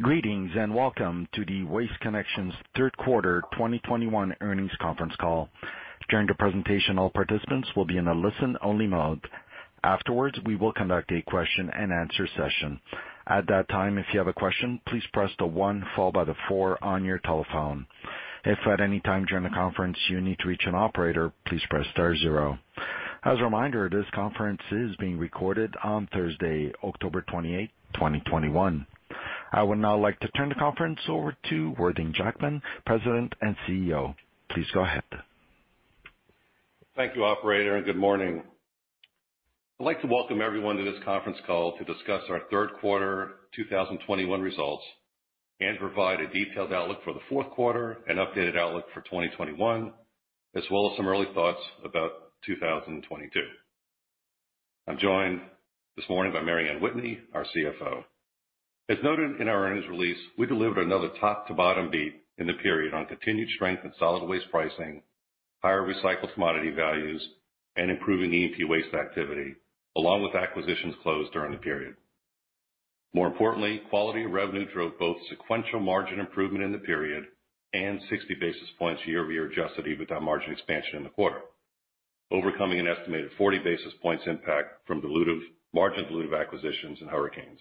Greetings, and welcome to the Waste Connections third quarter 2021 earnings conference call. During the presentation, all participants will be in a listen-only mode. Afterwards, we will conduct a question-and-answer session. At that time, if you have a question, please press the one followed by the four on your telephone. If at any time during the conference you need to reach an operator, please press star zero. As a reminder, this conference is being recorded on Thursday, October 28, 2021. I would now like to turn the conference over to Worthing Jackman, President and CEO. Please go ahead. Thank you operator, and good morning. I'd like to welcome everyone to this conference call to discuss our third quarter 2021 results and provide a detailed outlook for the fourth quarter and updated outlook for 2021, as well as some early thoughts about 2022. I'm joined this morning by Mary Anne Whitney, our CFO. As noted in our earnings release, we delivered another top to bottom beat in the period on continued strength and solid waste pricing, higher recycled commodity values, and improving E&P waste activity, along with acquisitions closed during the period. More importantly, quality of revenue drove both sequential margin improvement in the period and 60 basis points year-over-year adjusted EBITDA margin expansion in the quarter, overcoming an estimated 40 basis points impact from dilutive, margin dilutive acquisitions and hurricanes.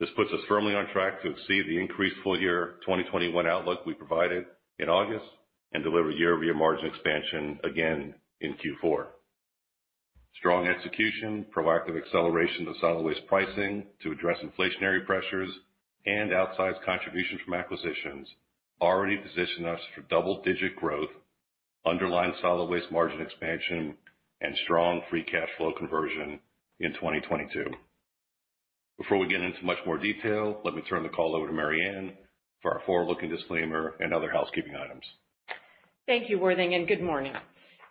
This puts us firmly on track to exceed the increased full year 2021 outlook we provided in August and deliver year-over-year margin expansion again in Q4. Strong execution, proactive acceleration of solid waste pricing to address inflationary pressures and outsized contributions from acquisitions already position us for double-digit growth, underlying solid waste margin expansion and strong free cash flow conversion in 2022. Before we get into much more detail, let me turn the call over to Mary Anne for our forward-looking disclaimer and other housekeeping items. Thank you, Worthing, and good morning.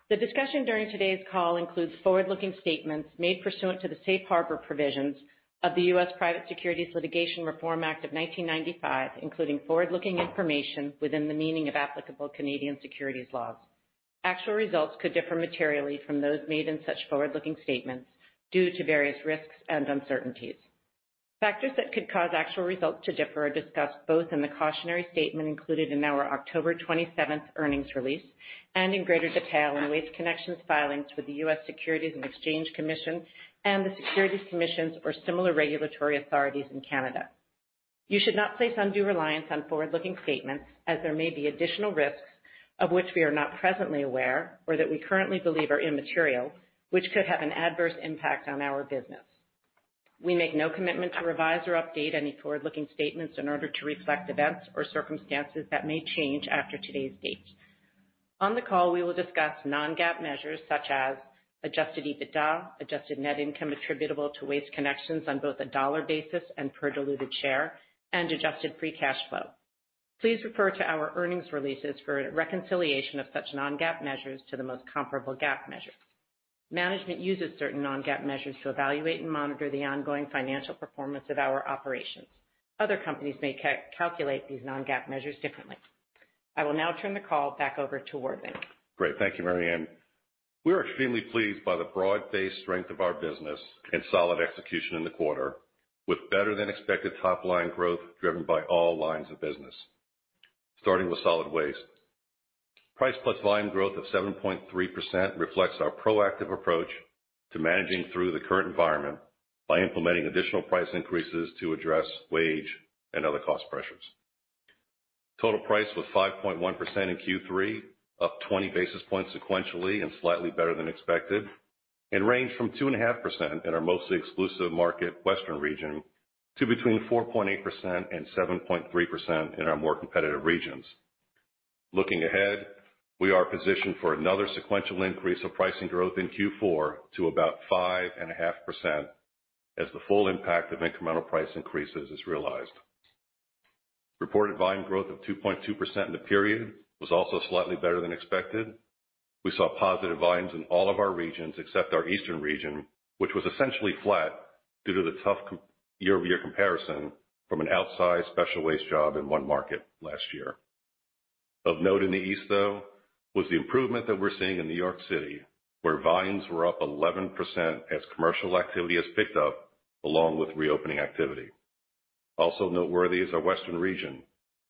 The discussion during today's call includes forward-looking statements made pursuant to the Safe Harbor Provisions of the US Private Securities Litigation Reform Act of 1995, including forward-looking information within the meaning of applicable Canadian securities laws. Actual results could differ materially from those made in such forward-looking statements due to various risks and uncertainties. Factors that could cause actual results to differ are discussed both in the cautionary statement included in our October 27 earnings release and in greater detail in Waste Connections' filings with the US Securities and Exchange Commission and the securities commissions or similar regulatory authorities in Canada. You should not place undue reliance on forward-looking statements as there may be additional risks of which we are not presently aware or that we currently believe are immaterial, which could have an adverse impact on our business. We make no commitment to revise or update any forward-looking statements in order to reflect events or circumstances that may change after today's date. On the call, we will discuss non-GAAP measures such as adjusted EBITDA, adjusted net income attributable to Waste Connections on both a dollar basis and per diluted share and adjusted free cash flow. Please refer to our earnings releases for a reconciliation of such non-GAAP measures to the most comparable GAAP measure. Management uses certain non-GAAP measures to evaluate and monitor the ongoing financial performance of our operations. Other companies may calculate these non-GAAP measures differently. I will now turn the call back over to Worthing. Great. Thank you, Mary Anne. We are extremely pleased by the broad-based strength of our business and solid execution in the quarter, with better than expected top-line growth driven by all lines of business. Starting with solid waste. Price plus volume growth of 7.3% reflects our proactive approach to managing through the current environment by implementing additional price increases to address wage and other cost pressures. Total price was 5.1% in Q3, up 20 basis points sequentially and slightly better than expected and ranged from 2.5% in our mostly exclusive market, Western region, to between 4.8% and 7.3% in our more competitive regions. Looking ahead, we are positioned for another sequential increase of pricing growth in Q4 to about 5.5% as the full impact of incremental price increases is realized. Reported volume growth of 2.2% in the period was also slightly better than expected. We saw positive volumes in all of our regions except our Eastern region, which was essentially flat due to the tough year-over-year comparison from an outsized special waste job in one market last year. Of note in the East, though, was the improvement that we're seeing in New York City, where volumes were up 11% as commercial activity has picked up along with reopening activity. Also noteworthy is our Western region,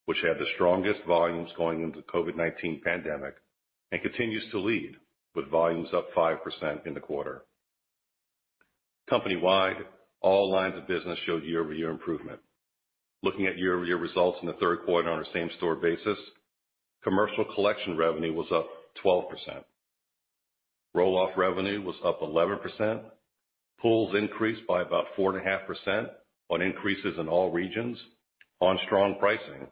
which had the strongest volumes going into the COVID-19 pandemic and continues to lead with volumes up 5% in the quarter. Company-wide, all lines of business showed year-over-year improvement. Looking at year-over-year results in the third quarter on a same-store basis, commercial collection revenue was up 12%. Roll-off revenue was up 11%. Pulls increased by about 4.5% on increases in all regions on strong pricing,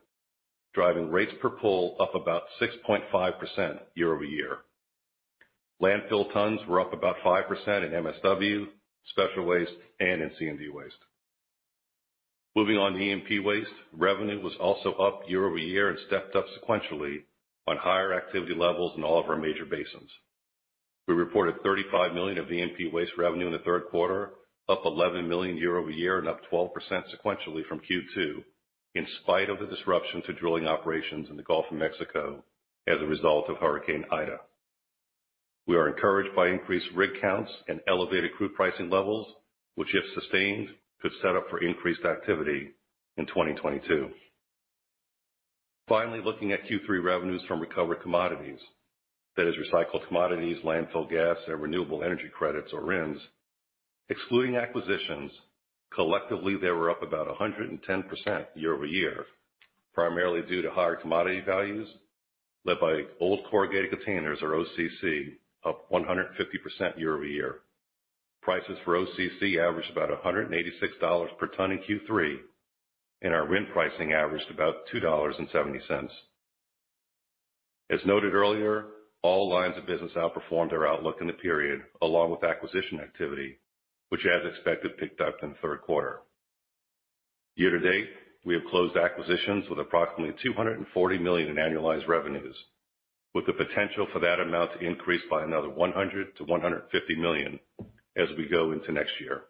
driving rates per pull up about 6.5% year-over-year. Landfill tons were up about 5% in MSW, special waste, and in C&D waste. Moving on to E&P waste, revenue was also up year-over-year and stepped up sequentially on higher activity levels in all of our major basins. We reported $35 million of E&P waste revenue in the third quarter, up $11 million year-over-year and up 12% sequentially from Q2, in spite of the disruption to drilling operations in the Gulf of Mexico as a result of Hurricane Ida. We are encouraged by increased rig counts and elevated crude pricing levels, which if sustained, could set up for increased activity in 2022. Finally, looking at Q3 revenues from recovered commodities, that is recycled commodities, landfill gas, and renewable energy credits or RINs. Excluding acquisitions, collectively, they were up about 110% year-over-year, primarily due to higher commodity values led by old corrugated containers or OCC, up 150% year-over-year. Prices for OCC averaged about $186 per ton in Q3, and our RIN pricing averaged about $2.70. As noted earlier, all lines of business outperformed our outlook in the period along with acquisition activity, which as expected, picked up in the third quarter. Year-to-date, we have closed acquisitions with approximately $240 million in annualized revenues, with the potential for that amount to increase by another $100 million-$150 million as we go into next year.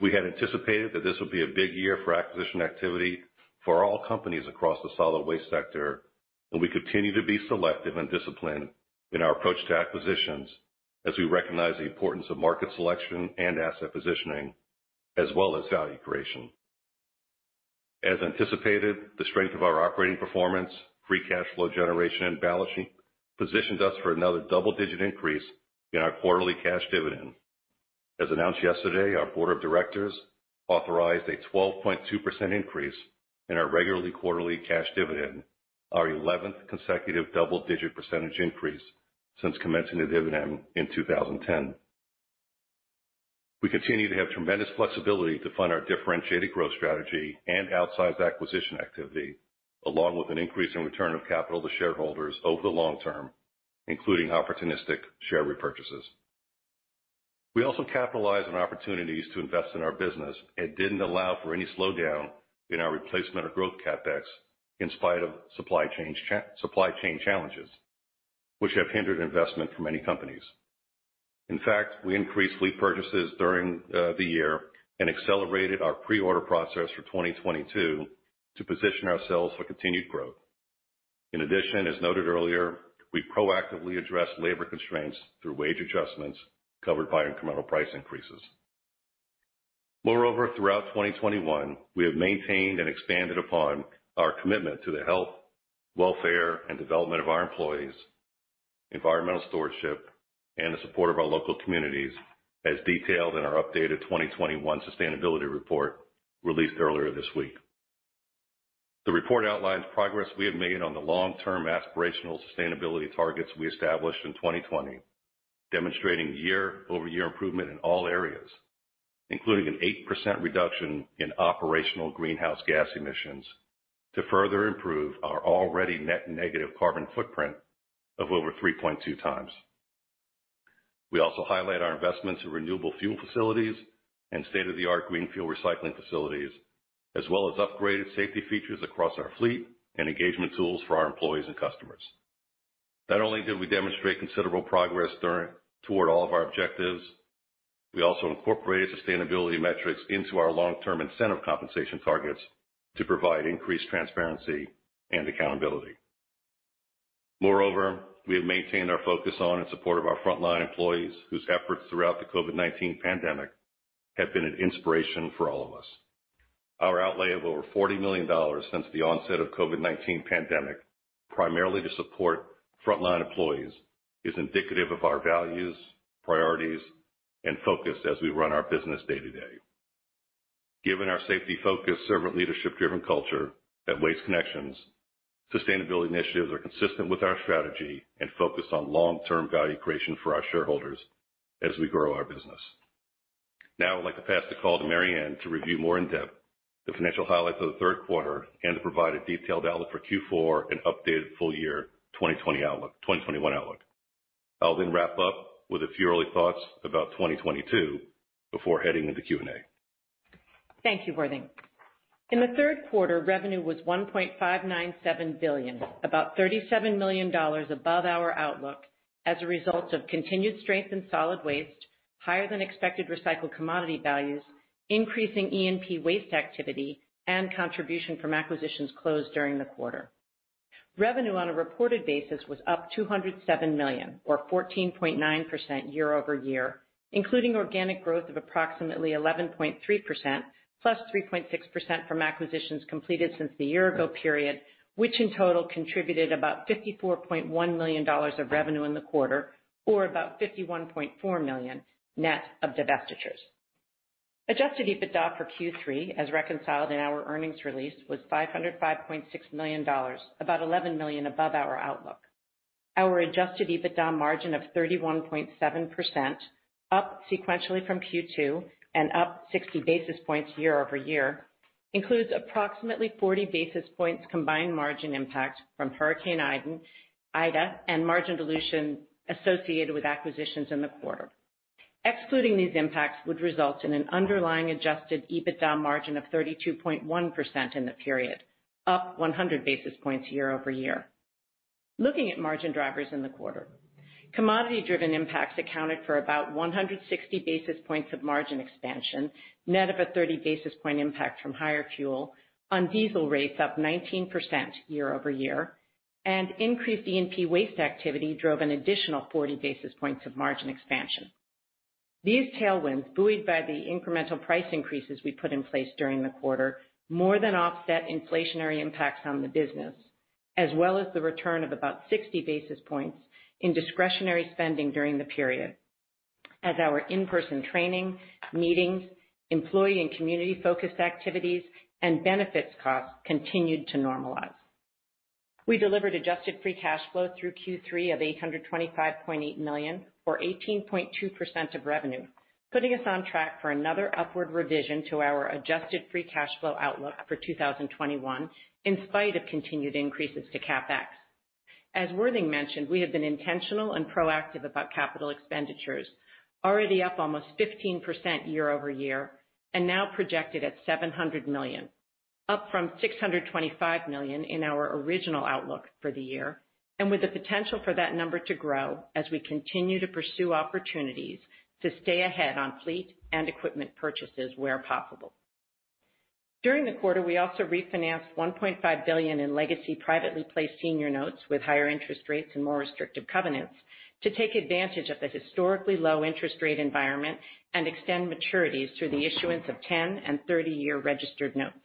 We had anticipated that this would be a big year for acquisition activity for all companies across the solid waste sector, and we continue to be selective and disciplined in our approach to acquisitions as we recognize the importance of market selection and asset positioning as well as value creation. As anticipated, the strength of our operating performance, free cash flow generation, and balance sheet positions us for another double-digit increase in our quarterly cash dividend. As announced yesterday, our board of directors authorized a 12.2% increase in our regular quarterly cash dividend, our 11th consecutive double-digit percentage increase since commencing the dividend in 2010. We continue to have tremendous flexibility to fund our differentiated growth strategy and outsized acquisition activity, along with an increase in return of capital to shareholders over the long term, including opportunistic share repurchases. We also capitalize on opportunities to invest in our business and didn't allow for any slowdown in our replacement or growth CapEx in spite of supply chain challenges which have hindered investment for many companies. In fact, we increased fleet purchases during the year, and accelerated our pre-order process for 2022 to position ourselves for continued growth. In addition, as noted earlier, we proactively address labor constraints through wage adjustments covered by incremental price increases. Moreover, throughout 2021, we have maintained and expanded upon our commitment to the health, welfare, and development of our employees, environmental stewardship, and the support of our local communities as detailed in our updated 2021 sustainability report released earlier this week. The report outlines progress we have made on the long-term aspirational sustainability targets we established in 2020, demonstrating year-over-year improvement in all areas, including an 8% reduction in operational greenhouse gas emissions to further improve our already net negative carbon footprint of over 3.2x. We also highlight our investments in renewable fuel facilities and state-of-the-art green fuel recycling facilities, as well as upgraded safety features across our fleet and engagement tools for our employees and customers. Not only did we demonstrate considerable progress toward all of our objectives, we also incorporated sustainability metrics into our long-term incentive compensation targets to provide increased transparency and accountability. Moreover, we have maintained our focus on and support of our frontline employees whose efforts throughout the COVID-19 pandemic have been an inspiration for all of us. Our outlay of over $40 million since the onset of COVID-19 pandemic, primarily to support frontline employees, is indicative of our values, priorities, and focus as we run our business day to day. Given our safety-focused, servant leadership-driven culture at Waste Connections, sustainability initiatives are consistent with our strategy and focused on long-term value creation for our shareholders as we grow our business. Now I'd like to pass the call to Mary Anne to review more in depth the financial highlights of the third quarter and to provide a detailed outlook for Q4 and updated full year 2021 outlook. I'll then wrap up with a few early thoughts about 2022 before heading into Q&A. Thank you, Worthing. In the third quarter, revenue was $1.597 billion, about $37 million above our outlook as a result of continued strength in solid waste, higher than expected recycled commodity values, increasing E&P waste activity, and contribution from acquisitions closed during the quarter. Revenue on a reported basis was up $207 million or 14.9% year over year, including organic growth of approximately 11.3% plus 3.6% from acquisitions completed since the year ago period, which in total contributed about $54.1 million of revenue in the quarter, or about $51.4 million net of divestitures. Adjusted EBITDA for Q3 as reconciled in our earnings release, was $505.6 million, about $11 million above our outlook. Our adjusted EBITDA margin of 31.7%, up sequentially from Q2 and up 60 basis points year-over-year, includes approximately 40 basis points combined margin impact from Hurricane Ida and margin dilution associated with acquisitions in the quarter. Excluding these impacts would result in an underlying adjusted EBITDA margin of 32.1% in the period, up 100 basis points year-over-year. Looking at margin drivers in the quarter. Commodity-driven impacts accounted for about 160 basis points of margin expansion, net of a 30 basis point impact from higher fuel on diesel rates up 19% year-over-year, and increased E&P waste activity drove an additional 40 basis points of margin expansion. These tailwinds, buoyed by the incremental price increases we put in place during the quarter, more than offset inflationary impacts on the business, as well as the return of about 60 basis points in discretionary spending during the period as our in-person training, meetings, employee and community-focused activities, and benefits costs continued to normalize. We delivered adjusted free cash flow through Q3 of $825.8 million, or 18.2% of revenue, putting us on track for another upward revision to our adjusted free cash flow outlook for 2021 in spite of continued increases to CapEx. As Worthing mentioned, we have been intentional and proactive about capital expenditures, already up almost 15% year-over-year, and now projected at $700 million, up from $625 million in our original outlook for the year, and with the potential for that number to grow as we continue to pursue opportunities to stay ahead on fleet and equipment purchases where possible. During the quarter, we also refinanced $1.5 billion in legacy privately placed senior notes with higher interest rates and more restrictive covenants to take advantage of the historically low interest rate environment and extend maturities through the issuance of 10- and 30-year registered notes.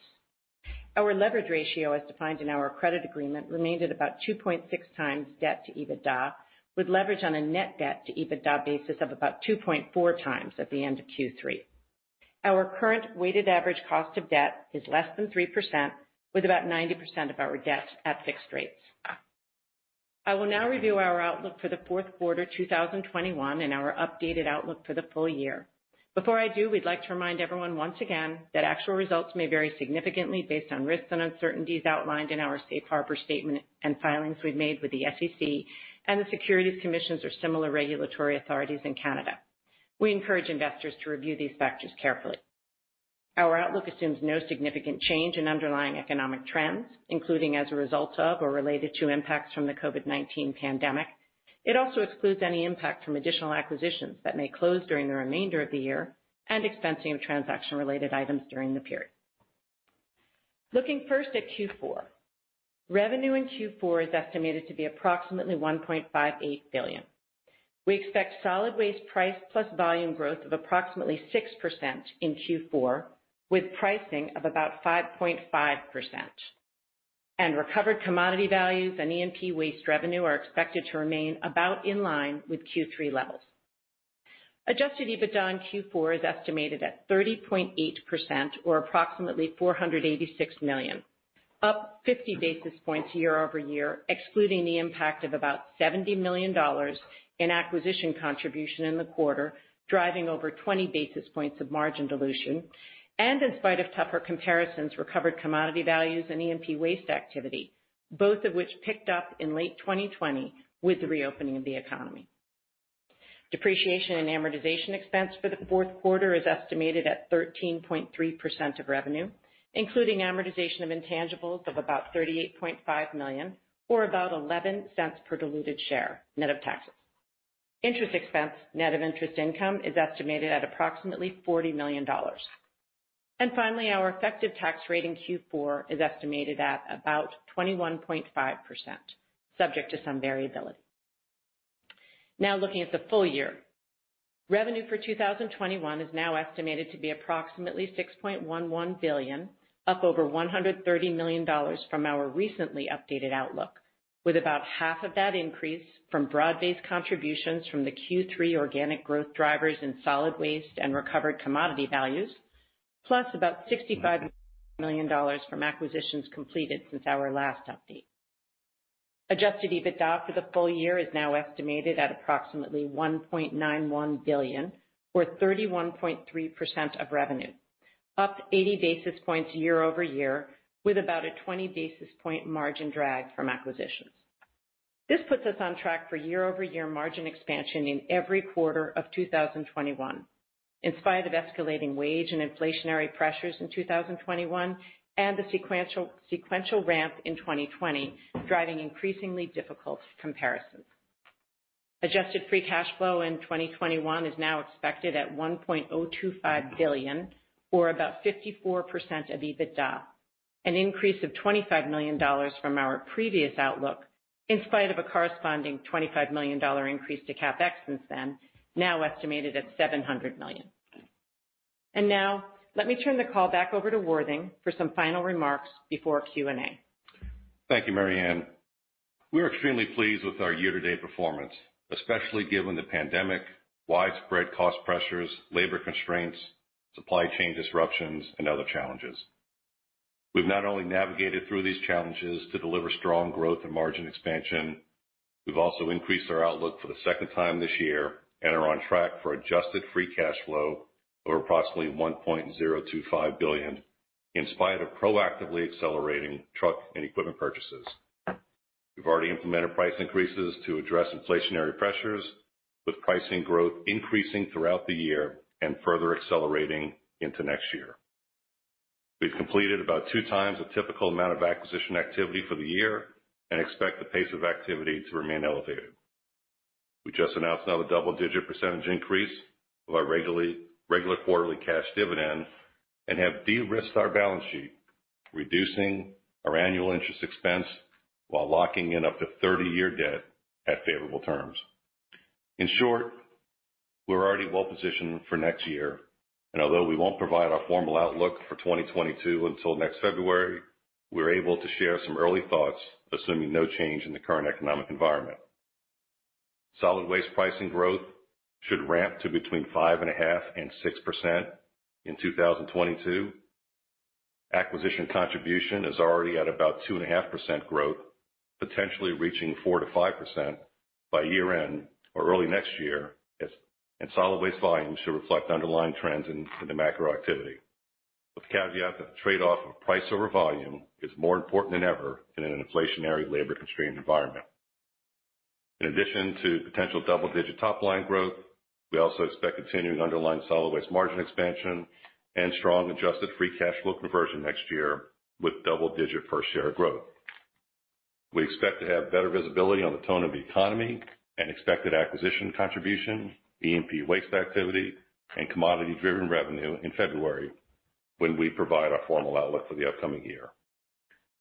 Our leverage ratio, as defined in our credit agreement, remained at about 2.6 times debt to EBITDA, with leverage on a net debt to EBITDA basis of about 2.4x at the end of Q3. Our current weighted average cost of debt is less than 3%, with about 90% of our debt at fixed rates. I will now review our outlook for the fourth quarter 2021 and our updated outlook for the full year. Before I do, we'd like to remind everyone once again that actual results may vary significantly based on risks and uncertainties outlined in our safe harbor statement and filings we've made with the SEC and the Securities Commissions or similar regulatory authorities in Canada. We encourage investors to review these factors carefully. Our outlook assumes no significant change in underlying economic trends, including as a result of or related to impacts from the COVID-19 pandemic. It also excludes any impact from additional acquisitions that may close during the remainder of the year and expensing of transaction-related items during the period. Looking first at Q4. Revenue in Q4 is estimated to be approximately $1.58 billion. We expect solid waste price plus volume growth of approximately 6% in Q4, with pricing of about 5.5%. Recovered commodity values and E&P waste revenue are expected to remain about in line with Q3 levels. Adjusted EBITDA in Q4 is estimated at 30.8% or approximately $486 million, up 50 basis points year-over-year, excluding the impact of about $70 million in acquisition contribution in the quarter, driving over 20 basis points of margin dilution, and in spite of tougher comparisons, recovered commodity values and E&P waste activity, both of which picked up in late 2020 with the reopening of the economy. Depreciation and amortization expense for the fourth quarter is estimated at 13.3% of revenue, including amortization of intangibles of about $38.5 million or about $0.11 per diluted share, net of taxes. Interest expense, net of interest income, is estimated at approximately $40 million. Finally, our effective tax rate in Q4 is estimated at about 21.5%, subject to some variability. Now, looking at the full year. Revenue for 2021 is now estimated to be approximately $6.11 billion, up over $130 million from our recently updated outlook, with about half of that increase from broad-based contributions from the Q3 organic growth drivers in solid waste, and recovered commodity values, plus about $65 million from acquisitions completed since our last update. Adjusted EBITDA for the full year is now estimated at approximately $1.91 billion or 31.3% of revenue, up 80 basis points year over year, with about a 20 basis point margin drag from acquisitions. This puts us on track for year-over-year margin expansion in every quarter of 2021, in spite of escalating wage and inflationary pressures in 2021 and the sequential ramp in 2020, driving increasingly difficult comparisons. Adjusted free cash flow in 2021 is now ,expected at $1.025 billion or about 54% of EBITDA, an increase of $25 million from our previous outlook, in spite of a corresponding $25 million increase to CapEx since then, now estimated at $700 million. Now let me turn the call back over to Worthing for some final remarks before Q&A. Thank you, Mary Anne. We are extremely pleased with our year-to-date performance, especially given the pandemic, widespread cost pressures, labor constraints, supply chain disruptions, and other challenges. We've not only navigated through these challenges to deliver strong growth and margin expansion, we've also increased our outlook for the second time this year, and are on track for adjusted free cash flow of approximately $1.025 billion, in spite of proactively accelerating truck, and equipment purchases. We've already implemented price increases to address inflationary pressures, with pricing growth increasing throughout the year, and further accelerating into next year. We've completed about two times the typical amount of acquisition activity for the year and expect the pace of activity to remain elevated. We just announced another double-digit percentage increase of our regular quarterly cash dividend and have de-risked our balance sheet. Reducing our annual interest expense while locking in up to 30-year debt at favorable terms. In short, we're already well-positioned for next year, and although we won't provide our formal outlook for 2022 until next February, we're able to share some early thoughts, assuming no change in the current economic environment. Solid waste pricing growth should ramp to between 5.5% and 6% in 2022. Acquisition contribution is already at about 2.5% growth, potentially reaching 4%-5% by year-end or early next year. Solid waste volumes should reflect underlying trends in the macro activity, with the caveat that the trade-off of price over volume is more important than ever in an inflationary labor-constrained environment. In addition to potential double-digit top-line growth, we also expect continuing underlying solid waste margin expansion and strong adjusted free cash flow conversion next year with double-digit per share growth. We expect to have better visibility on the tone of the economy and expected acquisition contribution, E&P waste activity, and commodity-driven revenue in February when we provide our formal outlook for the upcoming year.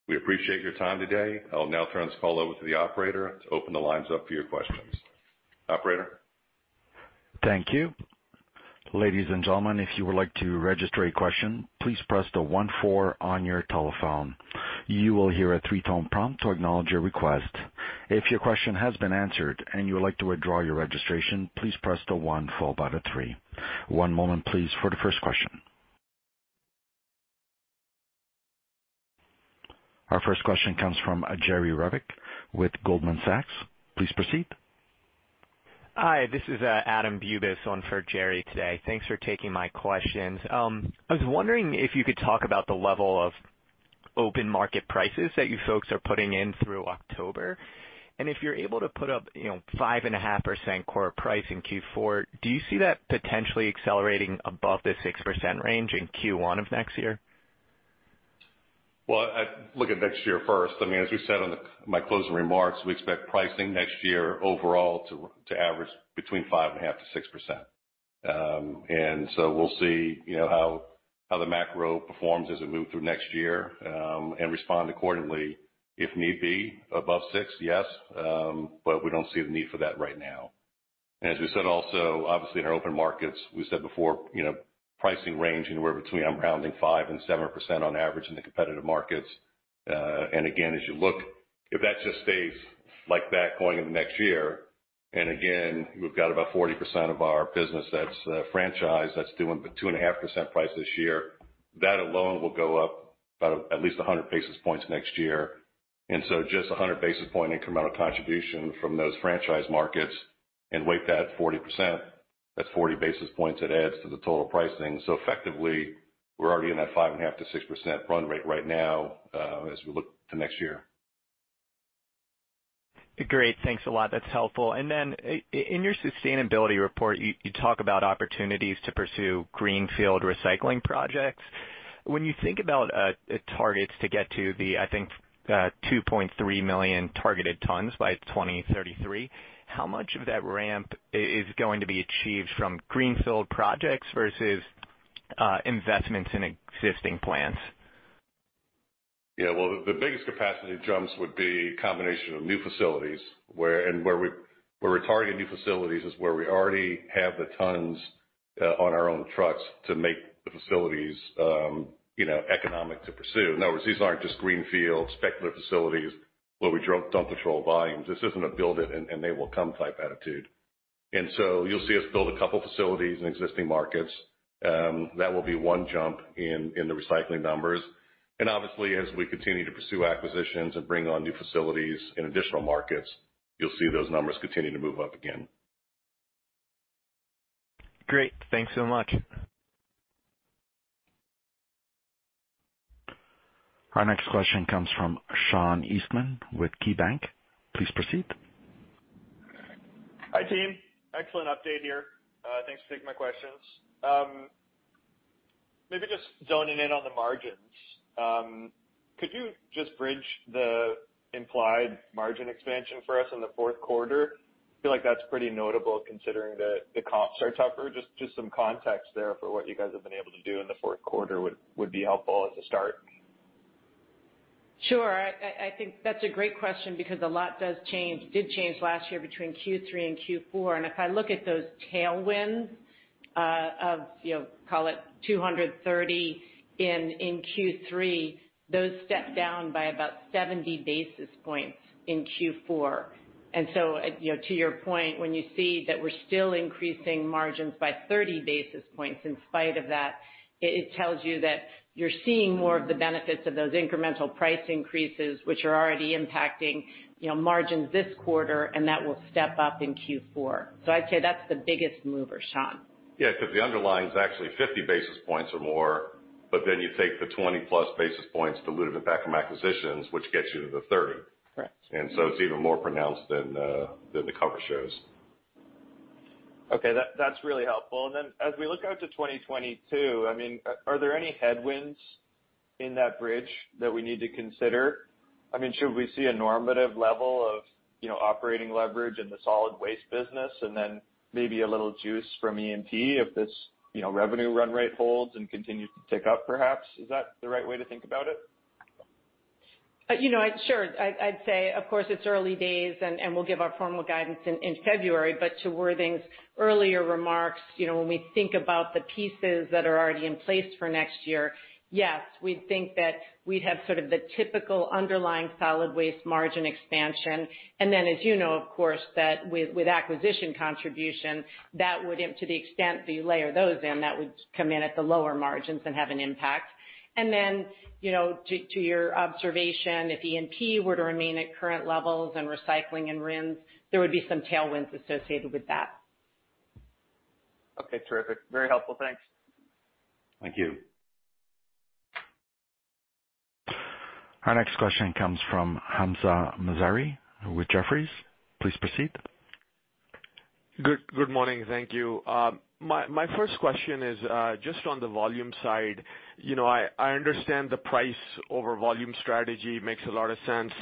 We appreciate your time today. I will now turn this call over to the operator to open the lines up for your questions. Operator? Thank you. Ladies and gentlemen, if you would like to register a question, please press star one on your telephone. You will hear a three-tone prompt to acknowledge your request. If your question has been answered and you would like to withdraw your registration, please press star three. One moment, please, for the first question. Our first question comes from Jerry Revich with Goldman Sachs. Please proceed. Hi, this is Adam Bubes on for Jerry Revich today. Thanks for taking my questions. I was wondering if you could talk about the level of open market prices that you folks are putting in through October. If you're able to put up, you know, 5.5% core price in Q4, do you see that potentially accelerating above the 6% range in Q1 of next year? Well, I'd look at next year first. I mean, as we said in my closing remarks, we expect pricing next year overall to average between 5.5%-6%. We'll see, you know, how the macro performs as we move through next year, and respond accordingly if need be above 6%, yes. We don't see the need for that right now. As we said also, obviously in our open markets, we said before, you know, pricing range anywhere between, I'm rounding 5%-7% on average in the competitive markets. Again, as you look, if that just stays like that going into next year, and again, we've got about 40% of our business that's franchise, that's doing 2.5% price this year. That alone will go up about at least 100 basis points next year. Just a 100 basis point incremental contribution from those franchise markets and weight that 40%, that's 40 basis points it adds to the total pricing. Effectively, we're already in that 5.5%-6% run rate right now, as we look to next year. Great. Thanks a lot. That's helpful. In your sustainability report, you talk about opportunities to pursue greenfield recycling projects. When you think about targets to get to the, I think, 2.3 million targeted tons by 2033, how much of that ramp is going to be achieved from greenfield projects versus investments in existing plants? Yeah. Well, the biggest capacity jumps would be a combination of new facilities where we target new facilities is where we already have the tons on our own trucks to make the facilities, you know, economic to pursue. In other words, these aren't just greenfield speculative facilities where we dump control volumes. This isn't a build it and they will come type attitude. You'll see us build a couple facilities in existing markets. That will be one jump in the recycling numbers. Obviously, as we continue to pursue acquisitions and bring on new facilities in additional markets, you'll see those numbers continue to move up again. Great. Thanks so much. Our next question comes from Sean Eastman with KeyBanc. Please proceed. Hi, team. Excellent update here. Thanks for taking my questions. Maybe just zoning in on the margins. Could you just bridge the implied margin expansion for us in the fourth quarter? I feel like that's pretty notable considering that the comps are tougher. Just some context there for what you guys have been able to do in the fourth quarter would be helpful as a start. Sure. I think that's a great question because a lot does change, did change last year between Q3 and Q4. If I look at those tailwinds, you know, call it 230 in Q3, those stepped down by about 70 basis points in Q4. You know, to your point, when you see that we're still increasing margins by 30 basis points in spite of that, it tells you that you're seeing more of the benefits of those incremental price increases, which are already impacting, you know, margins this quarter, and that will step up in Q4. I'd say that's the biggest mover, Sean. Yeah, because the underlying is actually 50 basis points or more, but then you take the 20+ basis points diluted back from acquisitions, which gets you to the 30. Correct. It's even more pronounced than the cover shows. Okay. That's really helpful. Then as we look out to 2022, I mean, are there any headwinds in that bridge that we need to consider? I mean, should we see a normative level of, you know, operating leverage in the solid waste business and then maybe a little juice from E&P if this, you know, revenue run rate holds and continues to tick up, perhaps? Is that the right way to think about it? You know, sure. I'd say, of course, it's early days and we'll give our formal guidance in February. To Worthing's earlier remarks, you know, when we think about the pieces that are already in place for next year, yes, we think that we'd have sort of the typical underlying solid waste margin expansion. Then, as you know, of course, that with acquisition contribution, that would, to the extent that you layer those in, that would come in at the lower margins and have an impact. Then, you know, to your observation, if E&P were to remain at current levels in recycling and RINs, there would be some tailwinds associated with that. Okay. Terrific. Very helpful. Thanks. Thank you. Our next question comes from Hamzah Mazari with Jefferies. Please proceed. Good morning. Thank you. My first question is just on the volume side. You know, I understand the price over volume strategy makes a lot of sense.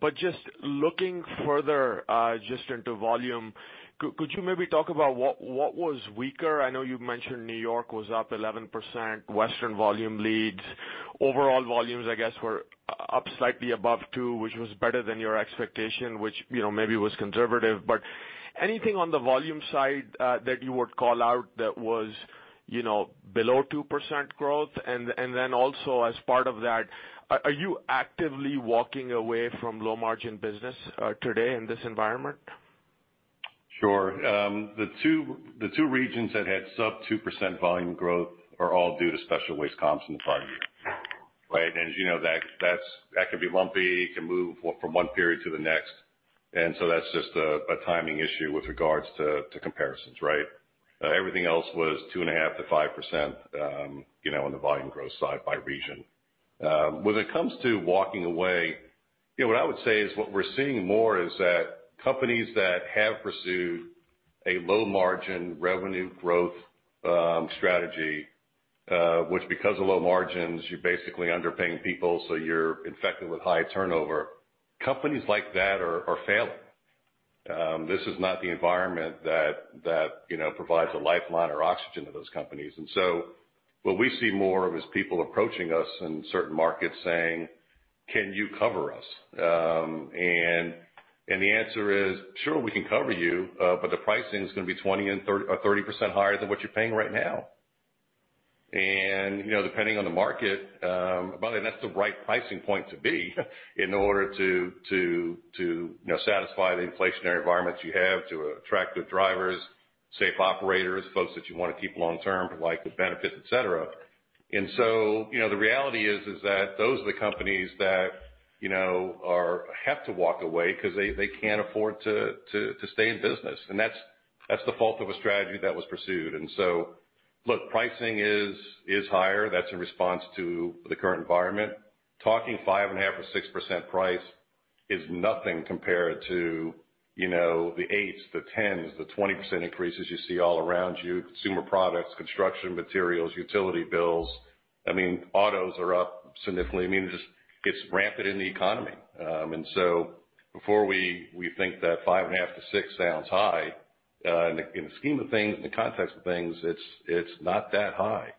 But just looking further just into volume, could you maybe talk about what was weaker? I know you mentioned New York was up 11%, Western volume leads. Overall volumes, I guess, were up slightly above 2%, which was better than your expectation, which, you know, maybe was conservative. But anything on the volume side that you would call out that was, you know, below 2% growth? And then also as part of that, are you actively walking away from low-margin business today in this environment? Sure. The two regions that had sub 2% volume growth are all due to special waste comps in the prior year. Right? As you know, that can be lumpy. It can move from one period to the next. That's just a timing issue with regards to comparisons, right? Everything else was 2.5%-5%, you know, on the volume growth side by region. When it comes to walking away, you know, what I would say is what we're seeing more is that companies that have pursued a low-margin revenue growth strategy, which because of low margins, you're basically underpaying people, so you're affected with high turnover. Companies like that are failing. This is not the environment that you know provides a lifeline or oxygen to those companies. What we see more of is people approaching us in certain markets saying, "Can you cover us?" The answer is, "Sure, we can cover you, but the pricing is gonna be 20 or 30% higher than what you're paying right now." You know, depending on the market, by the way, that's the right pricing point to be in order to you know, satisfy the inflationary environment you have, to attract good drivers, safe operators, folks that you wanna keep long term who like the benefits, et cetera. You know, the reality is that those are the companies that you know, have to walk away 'cause they can't afford to stay in business. That's the fault of a strategy that was pursued. Look, pricing is higher. That's in response to the current environment. Talking 5.5 or 6% price is nothing compared to, you know, the 8s, the 10s, the 20% increases you see all around you, consumer products, construction materials, utility bills. I mean, autos are up significantly. I mean, it just gets rampant in the economy. Before we think that 5.5-6% sounds high, in the scheme of things, in the context of things, it's not that high.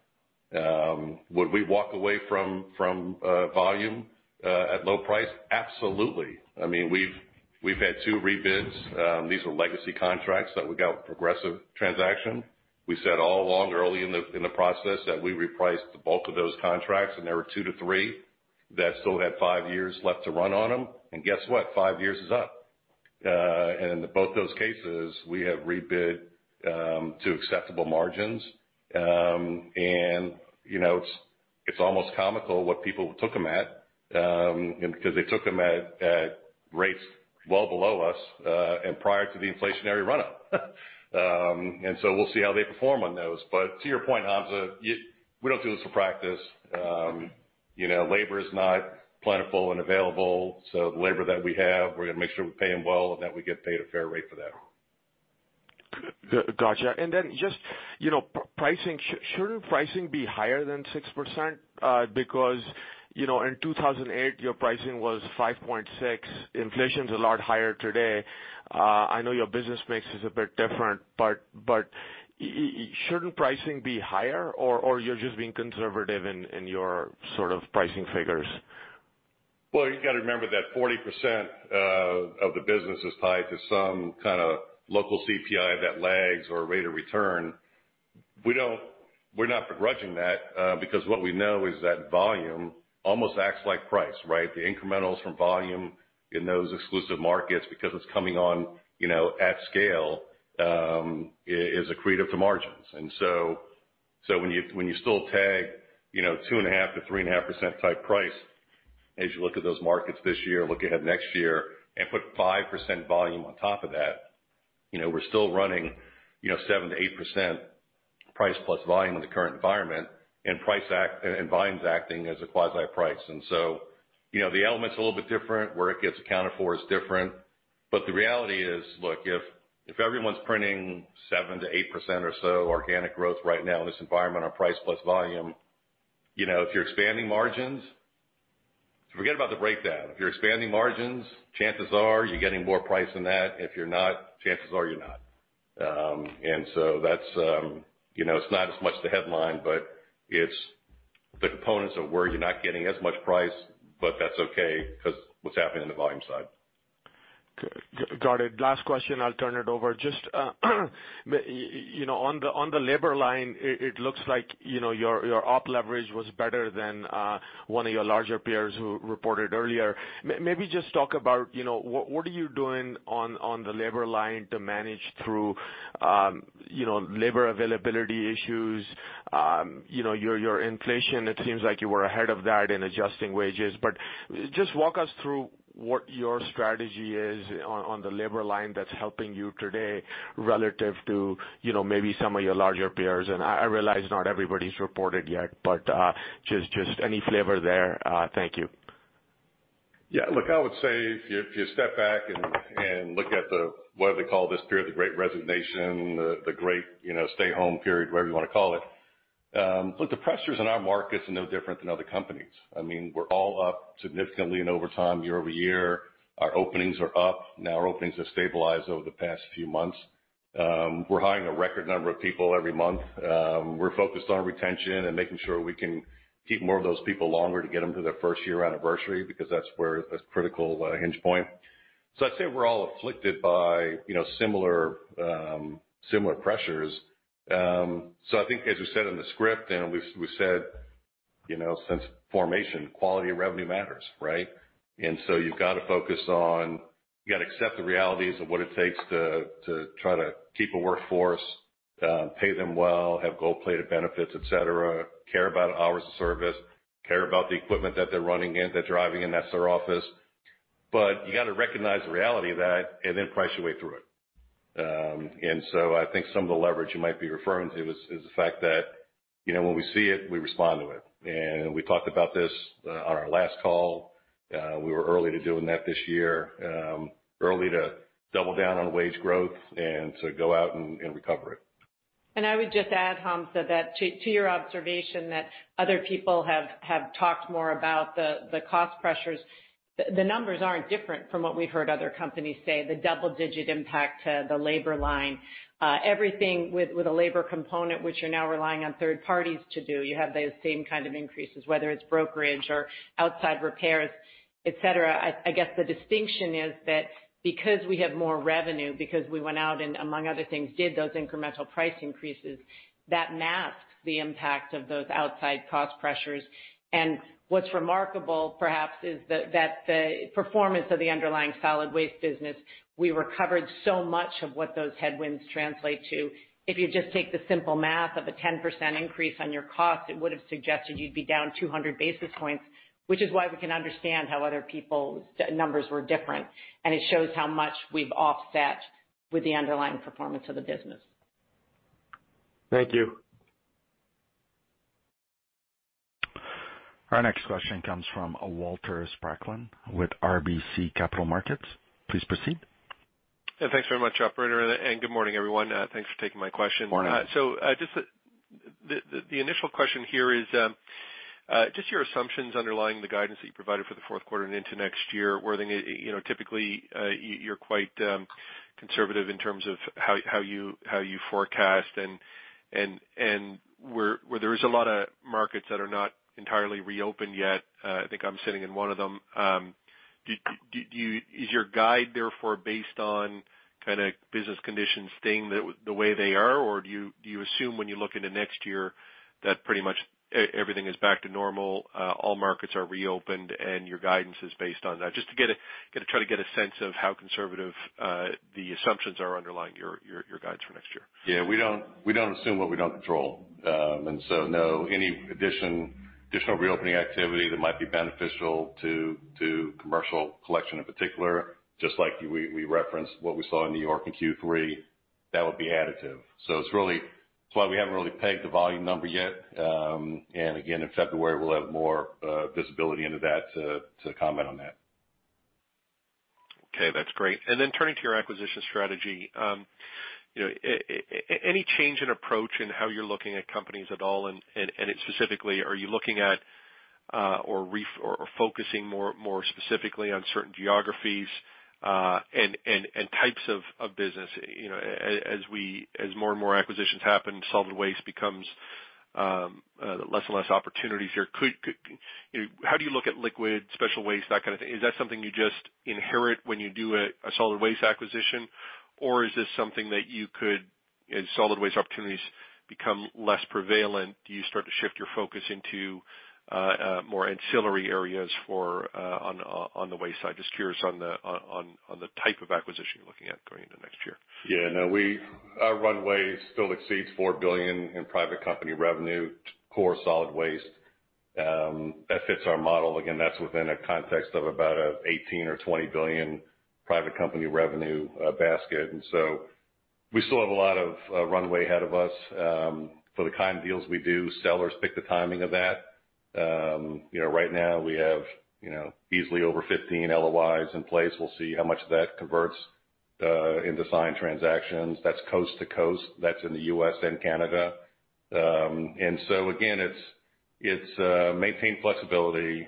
Would we walk away from volume at low price? Absolutely. I mean, we've had two rebids. These are legacy contracts that we got with Progressive transaction. We said all along early in the process that we reprice the bulk of those contracts, and there were two to three that still had five years left to run on them. Guess what? five years is up. In both those cases, we have rebid to acceptable margins. You know, it's almost comical what people took them at, and because they took them at rates well below us and prior to the inflationary run up. We'll see how they perform on those. To your point, Hamza, we don't do this for practice. You know, labor is not plentiful and available, so the labor that we have, we're gonna make sure we pay them well and that we get paid a fair rate for that. Gotcha. Just, you know, pricing. Shouldn't pricing be higher than 6%? Because, you know, in 2008, your pricing was 5.6. Inflation's a lot higher today. I know your business mix is a bit different, but shouldn't pricing be higher or you're just being conservative in your sort of pricing figures? Well, you gotta remember that 40% of the business is tied to some kinda local CPI that lags or rate of return. We're not begrudging that, because what we know is that volume almost acts like price, right? The incrementals from volume in those exclusive markets, because it's coming on, you know, at scale, is accretive to margins. When you still tag, you know, 2.5%-3.5% type price, as you look at those markets this year, look ahead next year and put 5% volume on top of that, you know, we're still running, you know, 7%-8% price plus volume in the current environment and volumes acting as a quasi price. You know, the element's a little bit different. Where it gets accounted for is different. The reality is, look, if everyone's printing 7%-8% or so organic growth right now in this environment on price plus volume, you know, if you're expanding margins. Forget about the breakdown. If you're expanding margins, chances are you're getting more price than that. If you're not, chances are you're not. That's, you know, it's not as much the headline, but it's the components of where you're not getting as much price, but that's okay because what's happening on the volume side. Got it. Last question, I'll turn it over. Just you know, on the labor line, it looks like you know, your operating leverage was better than one of your larger peers who reported earlier. Maybe just talk about you know, what are you doing on the labor line to manage through you know, labor availability issues, you know, your inflation. It seems like you were ahead of that in adjusting wages. Just walk us through what your strategy is on the labor line that's helping you today relative to you know, maybe some of your larger peers. I realize not everybody's reported yet, but just any flavor there. Thank you. Yeah. Look, I would say if you step back and look at the, what do they call this period, the Great Resignation, the great, you know, stay home period, whatever you wanna call it. Look, the pressures in our markets are no different than other companies. I mean, we're all up significantly in overtime year-over-year. Our openings are up. Now, our openings have stabilized over the past few months. We're hiring a record number of people every month. We're focused on retention and making sure we can keep more of those people longer to get them to their first-year anniversary because that's where a critical hinge point. I'd say we're all afflicted by, you know, similar pressures. I think as we said in the script, and we've said, you know, since formation, quality of revenue matters, right? You've got to focus on. You got to accept the realities of what it takes to try to keep a workforce, pay them well, have gold-plated benefits, et cetera, care about hours of service, care about the equipment that they're running in, they're driving in, that's their office. You got to recognize the reality of that and then price your way through it. I think some of the leverage you might be referring to is the fact that, you know, when we see it, we respond to it. We talked about this on our last call. We were early to doing that this year, early to double down on wage growth and to go out and recover it. I would just add, Hamzah, that to your observation that other people have talked more about the cost pressures, the numbers aren't different from what we've heard other companies say, the double-digit impact to the labor line. Everything with a labor component, which you're now relying on third parties to do, you have those same kind of increases, whether it's brokerage or outside repairs, et cetera. I guess the distinction is that because we have more revenue, because we went out and, among other things, did those incremental price increases, that masked the impact of those outside cost pressures. What's remarkable, perhaps, is that the performance of the underlying solid waste business, we recovered so much of what those headwinds translate to. If you just take the simple math of a 10% increase on your cost, it would have suggested you'd be down 200 basis points, which is why we can understand how other people's numbers were different. It shows how much we've offset with the underlying performance of the business. Thank you. Our next question comes from Walter Spracklin with RBC Capital Markets. Please proceed. Yeah, thanks very much, operator, and good morning, everyone. Thanks for taking my question. Morning. Just the initial question here is, just your assumptions underlying the guidance that you provided for the fourth quarter and into next year. Were they, you know, typically, you're quite conservative in terms of how you forecast and where there is a lot of markets that are not entirely reopened yet. I think I'm sitting in one of them. Do you... Is your guide therefore based on kind of business conditions staying the way they are, or do you assume when you look into next year that pretty much everything is back to normal, all markets are reopened and your guidance is based on that? Just to try to get a sense of how conservative the assumptions are underlying your guides for next year? Yeah, we don't assume what we don't control. No, any additional reopening activity that might be beneficial to commercial collection in particular, just like we referenced what we saw in New York in Q3, that would be additive. That's why we haven't really pegged the volume number yet. In February, we'll have more visibility into that to comment on that. Okay, that's great. Turning to your acquisition strategy, you know, any change in approach in how you're looking at companies at all and specifically, are you looking at, or focusing more specifically on certain geographies, and types of business? You know, as more and more acquisitions happen, solid waste becomes less, and less opportunities here. How do you look at liquid, special waste, that kind of thing? Is that something you just inherit when you do a solid waste acquisition? Is this something that you could, as solid waste opportunities become less prevalent, do you start to shift your focus into more ancillary areas for on the waste side? Just curious on the type of acquisition you're looking at going into next year? Yeah. No, our runway still exceeds $4 billion in private company revenue, core solid waste, that fits our model. Again, that's within a context of about $18 billion-$20 billion private company revenue basket. We still have a lot of runway ahead of us. For the kind of deals we do, sellers pick the timing of that. You know, right now we have, you know, easily over 15 LOIs in place. We'll see how much of that converts into signed transactions. That's coast to coast. That's in the U.S. and Canada. Again, it's to maintain flexibility,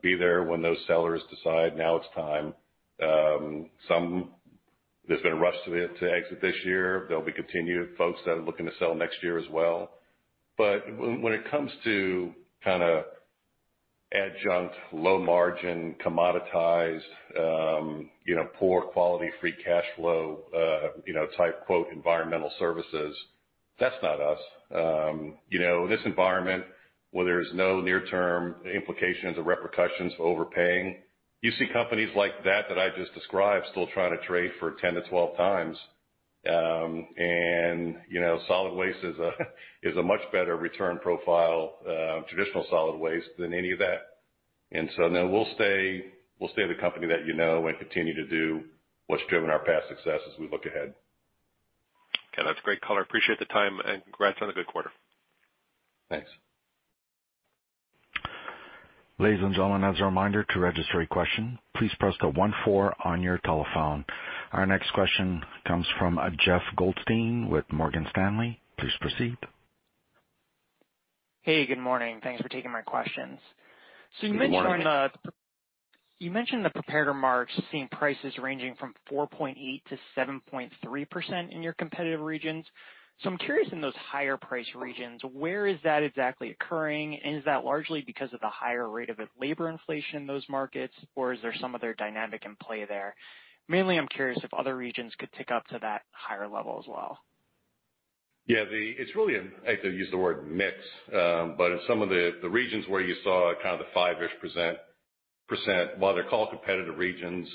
be there when those sellers decide now it's time. Some. There's been a rush to exit this year. There'll be continued folks that are looking to sell next year as well. When it comes to kinda adjunct, low margin, commoditized, you know, poor quality free cash flow, you know, type, quote, environmental services, that's not us. You know, this environment where there's no near-term implications or repercussions for overpaying, you see companies like that that I just described still trying to trade for 10-12x. Solid waste is a much better return profile, traditional solid waste than any of that. No, we'll stay the company that you know and continue to do what's driven our past success as we look ahead. Okay, that's great color. Appreciate the time, and congrats on a good quarter. Thanks. Ladies and gentlemen, as a reminder to register a question, please press the one four on your telephone. Our next question comes from Jeff Goldstein with Morgan Stanley. Please proceed. Hey, good morning. Thanks for taking my questions. Good morning. You mentioned in the prepared remarks seeing prices ranging from 4.8%-7.3% in your competitive regions. I'm curious in those higher price regions, where is that exactly occurring? Is that largely because of the higher rate of labor inflation in those markets, or is there some other dynamic in play there? Mainly, I'm curious if other regions could tick up to that higher level as well. It's really, I could use the word mix. But in some of the regions where you saw kind of the five-ish percent, while they're called competitive regions,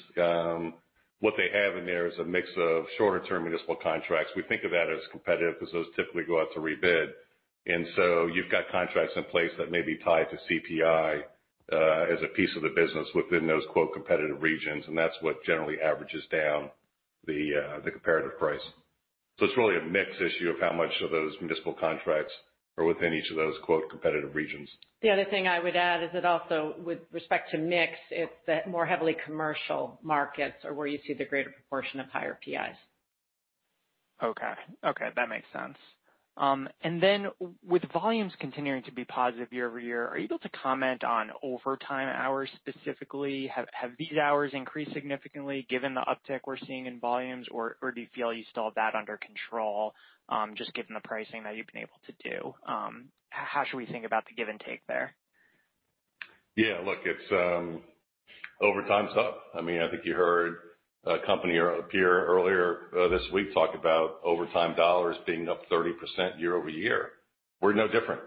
what they have in there is a mix of shorter-term municipal contracts. We think of that as competitive 'cause those typically go out to rebid. You've got contracts in place that may be tied to CPI, as a piece of the business within those, quote, competitive regions, and that's what generally averages down the comparative price. It's really a mix issue of how much of those municipal contracts are within each of those, quote, competitive regions. The other thing I would add is that also with respect to mix, it's the more heavily commercial markets are where you see the greater proportion of higher PIs. Okay. Okay, that makes sense. With volumes continuing to be positive year-over-year, are you able to comment on overtime hours specifically? Have these hours increased significantly given the uptick we're seeing in volumes? Or do you feel you still have that under control, just given the pricing that you've been able to do? How should we think about the give and take there? Yeah. Look, it's overtime's up. I mean, I think you heard a company or a peer earlier this week talk about overtime dollars being up 30% year-over-year. We're no different.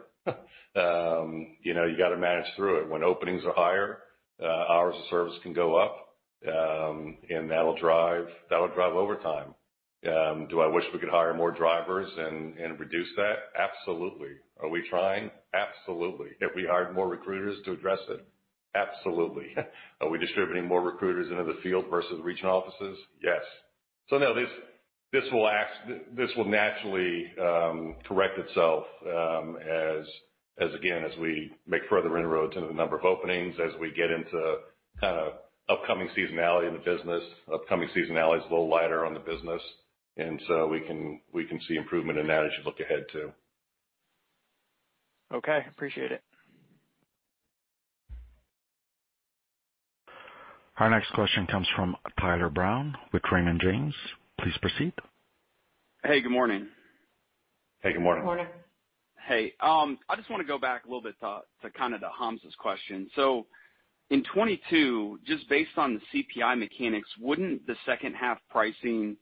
You know, you gotta manage through it. When openings are higher, hours of service can go up, and that'll drive overtime. Do I wish we could hire more drivers and reduce that? Absolutely. Are we trying? Absolutely. Have we hired more recruiters to address it? Absolutely. Are we distributing more recruiters into the field versus regional offices? Yes. No, this will naturally correct itself, as we make further inroads into the number of openings, as we get into kinda upcoming seasonality in the business. Upcoming seasonality is a little lighter on the business, and so we can see improvement in that as you look ahead too. Okay. Appreciate it. Our next question comes from Tyler Brown with Raymond James. Please proceed. Hey, good morning. Hey, good morning. Good morning. Hey, I just wanna go back a little bit to kinda to Hamzah's question. In 2022, just based on the CPI mechanics, wouldn't the second half pricing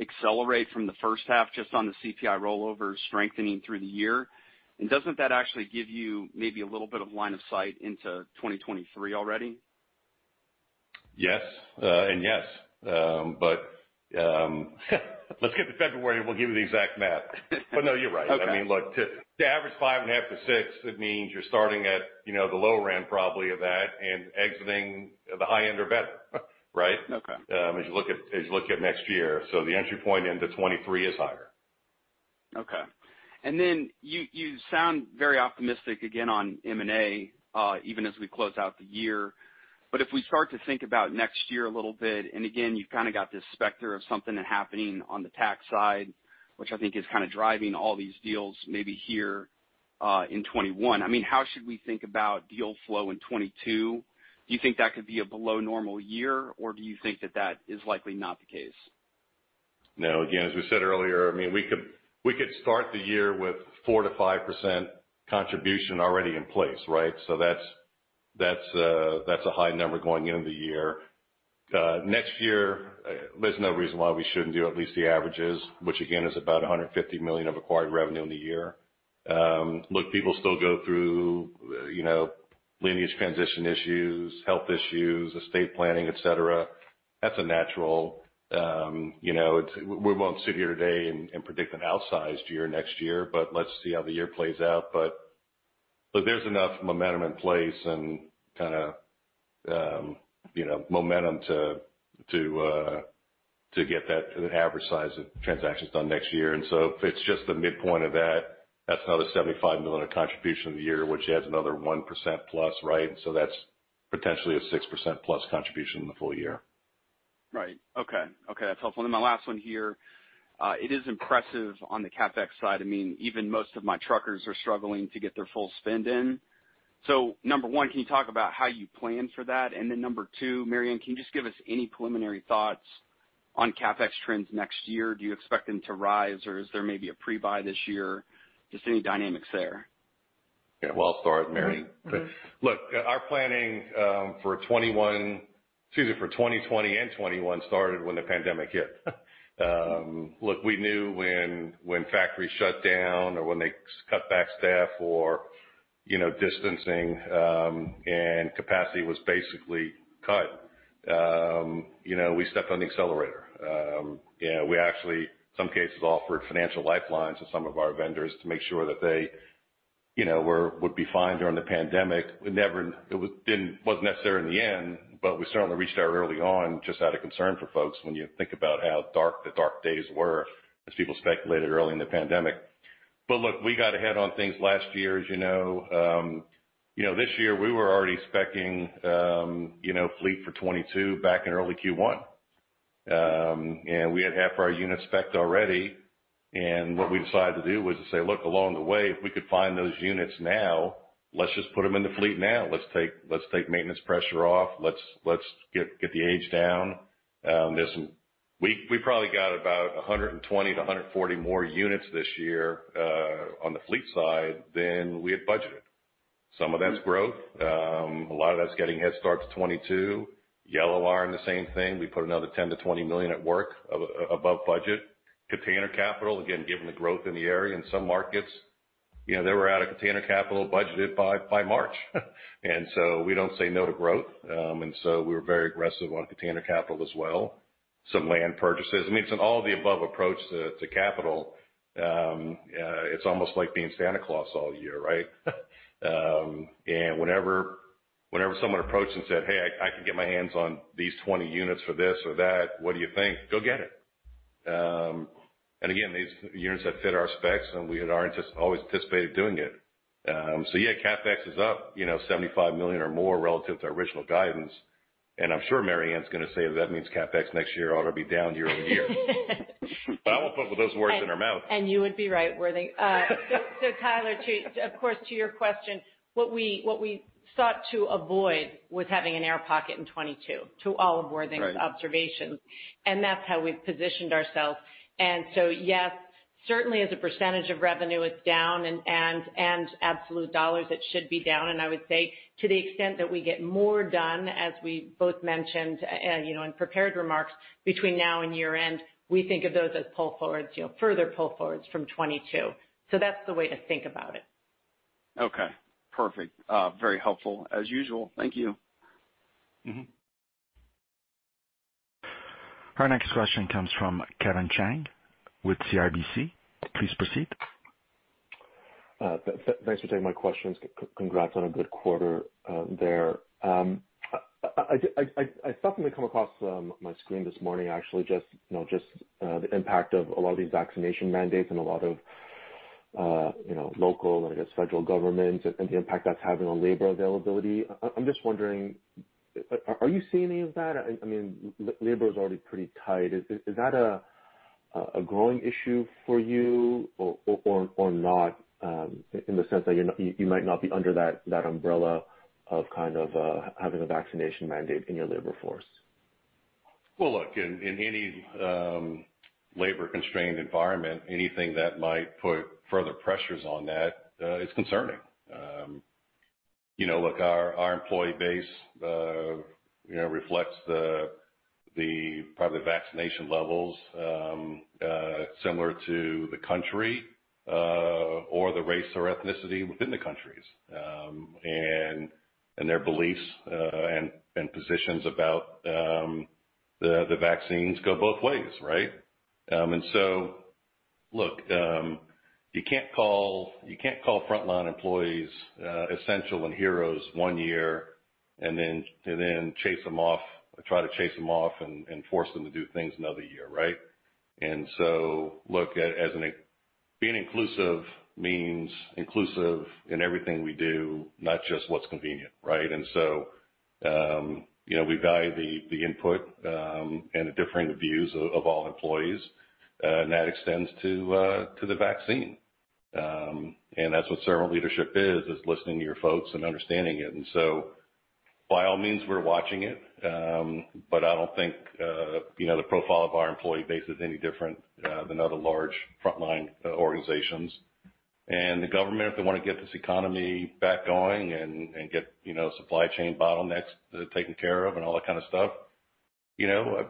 accelerate from the first half just on the CPI rollover strengthening through the year? Doesn't that actually give you maybe a little bit of line of sight into 2023 already? Yes, yes. Let's get to February, and we'll give you the exact math. No, you're right. Okay. I mean, look, to average 5.5-6, it means you're starting at, you know, the lower end probably of that and exiting the high end or better, right? Okay. As you look at next year, the entry point into 2023 is higher. Okay. Then you sound very optimistic again on M&A, even as we close out the year. If we start to think about next year a little bit, and again, you've kinda got this specter of something happening on the tax side, which I think is kinda driving all these deals maybe here, in 2021. I mean, how should we think about deal flow in 2022? Do you think that could be a below normal year, or do you think that is likely not the case? No. Again, as we said earlier, I mean, we could start the year with 4%-5% contribution already in place, right? That's a high number going into the year. Next year, there's no reason why we shouldn't do at least the averages, which again, is about $150 million of acquired revenue in the year. Look, people still go through, you know, lineage transition issues, health issues, estate planning, et cetera. That's natural. You know, we won't sit here today and predict an outsized year next year, but let's see how the year plays out. There's enough momentum in place and kinda, you know, momentum to get that average size of transactions done next year. If it's just the midpoint of that's another $75 million contribution of the year, which adds another 1%+, right? That's potentially a 6%+ contribution in the full year. Right. Okay, that's helpful. My last one here. It is impressive on the CapEx side. I mean, even most of my truckers are struggling to get their full spend in. Number one, can you talk about how you plan for that? Number two, Mary Anne, can you just give us any preliminary thoughts on CapEx trends next year? Do you expect them to rise, or is there maybe a pre-buy this year? Just any dynamics there. Yeah, well, I'll start, Mary. Look, our planning for 2020 and 2021 started when the pandemic hit. Look, we knew when factories shut down or when they cut back staff or, you know, distancing, and capacity was basically cut, you know, we stepped on the accelerator. We actually, in some cases, offered financial lifelines to some of our vendors to make sure that they, you know, would be fine during the pandemic. It wasn't necessary in the end, but we certainly reached out early on just out of concern for folks when you think about how dark the dark days were as people speculated early in the pandemic. Look, we got ahead on things last year, as you know. You know, this year, we were already spec'ing, you know, fleet for 2022 back in early Q1. We had half our units spec'ed already, and what we decided to do was to say, look, along the way, if we could find those units now, let's just put them in the fleet now. Let's take maintenance pressure off. Let's get the age down. We probably got about 120-140 more units this year, on the fleet side than we had budgeted. Some of that's growth. A lot of that's getting a head start to 2022. Yellow arm, the same thing. We put another $10 million-$20 million at work above budget. Container capital, again, given the growth in the area. In some markets, you know, they were out of container capital budgeted by March. We don't say no to growth. We were very aggressive on container capital as well. Some land purchases. I mean, it's an all-of-the-above approach to capital. It's almost like being Santa Claus all year, right? Whenever someone approached and said, "Hey, I can get my hands on these 20 units for this or that, what do you think?" Go get it. Again, these units that fit our specs, and we had our always anticipated doing it. So yeah, CapEx is up, you know, $75 million or more relative to original guidance. I'm sure Mary Anne's gonna say that means CapEx next year ought to be down year-over-year. I won't put those words in her mouth. you would be right, Worthing. Tyler, of course, to your question, what we sought to avoid was having an air pocket in 2022 to all of Worthing's observations. Right. That's how we've positioned ourselves. Yes, certainly, as a percentage of revenue, it's down and absolute dollars, it should be down. I would say, to the extent that we get more done, as we both mentioned, you know, in prepared remarks between now and year-end, we think of those as pull forwards, you know, further pull forwards from 2022. That's the way to think about it. Okay, perfect. Very helpful, as usual. Thank you. Mm-hmm. Our next question comes from Kevin Chiang with CIBC. Please proceed. Thanks for taking my questions. Congrats on a good quarter there. I definitely come across my screen this morning, actually, just, you know, just the impact of a lot of these vaccination mandates and a lot of, you know, local and, I guess, federal government and the impact that's having on labor availability. I'm just wondering, are you seeing any of that? I mean, labor is already pretty tight. Is that a growing issue for you or not, in the sense that you might not be under that umbrella of kind of having a vaccination mandate in your labor force? Well, look, in any labor-constrained environment, anything that might put further pressures on that is concerning. You know, look, our employee base reflects the probable vaccination levels similar to the country or the race or ethnicity within the countries, and their beliefs and positions about the vaccines go both ways, right? You can't call frontline employees essential and heroes one year and then chase them off or try to chase them off and force them to do things another year, right? Look, being inclusive means inclusive in everything we do, not just what's convenient, right? You know, we value the input and the differing views of all employees, and that extends to the vaccine. That's what servant leadership is, listening to your folks and understanding it. By all means, we're watching it. But I don't think you know, the profile of our employee base is any different than other large frontline organizations. The government, if they want to get this economy back going and get supply chain bottlenecks taken care of and all that kind of stuff, you know,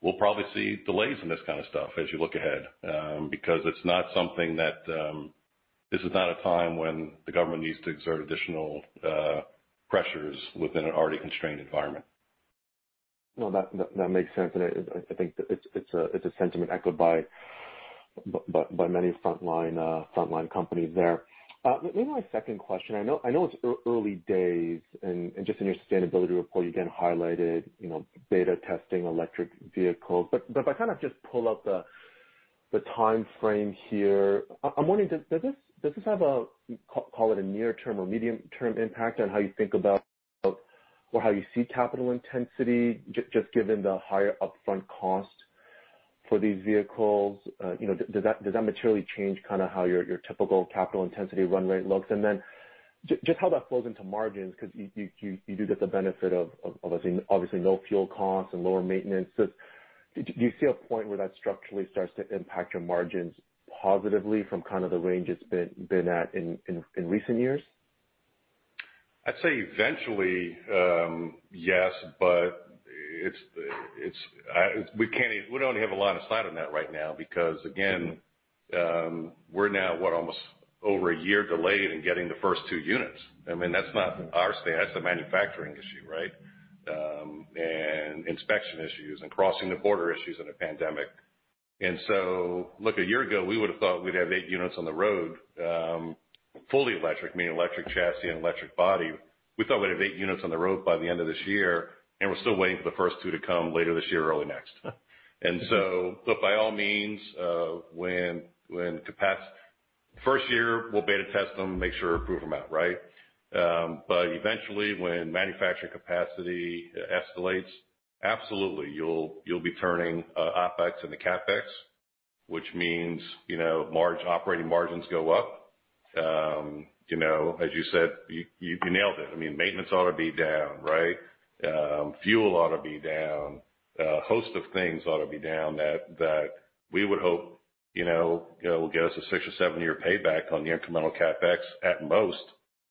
we'll probably see delays in this kind of stuff as you look ahead, because it's not something that. This is not a time when the government needs to exert additional pressures within an already constrained environment. No, that makes sense, and I think that it's a sentiment echoed by many frontline companies there. Maybe my second question. I know it's early days and just in your sustainability report, you again highlighted, you know, beta testing electric vehicles. But if I kind of just pull up the timeframe here, I'm wondering, does this have a call it a near term or medium term impact on how you think about or how you see capital intensity just given the higher upfront cost for these vehicles? You know, does that materially change kinda how your typical capital intensity run rate looks? Just how that flows into margins, 'cause you do get the benefit of obviously no fuel costs and lower maintenance. Do you see a point where that structurally starts to impact your margins positively from kind of the range it's been at in recent years? I'd say eventually, yes, but it's we can't even. We don't have a lot of sight on that right now because, again, we're now, what, almost over a year delayed in getting the first two units. I mean, that's not our stance, that's a manufacturing issue, right? Inspection issues and crossing the border issues in a pandemic. Look, a year ago, we would've thought we'd have eight units on the road, fully electric, meaning electric chassis and electric body. We thought we'd have 8 units on the road by the end of this year, and we're still waiting for the first two to come later this year or early next. Look, by all means, first year, we'll beta test them, make sure prove them out, right? Eventually, when manufacturing capacity escalates, absolutely, you'll be turning OpEx into CapEx, which means, you know, operating margins go up. You know, as you said, you nailed it. I mean, maintenance ought to be down, right? Fuel ought to be down. A host of things ought to be down that we would hope, you know, will get us a 6- or 7-year payback on the incremental CapEx at most.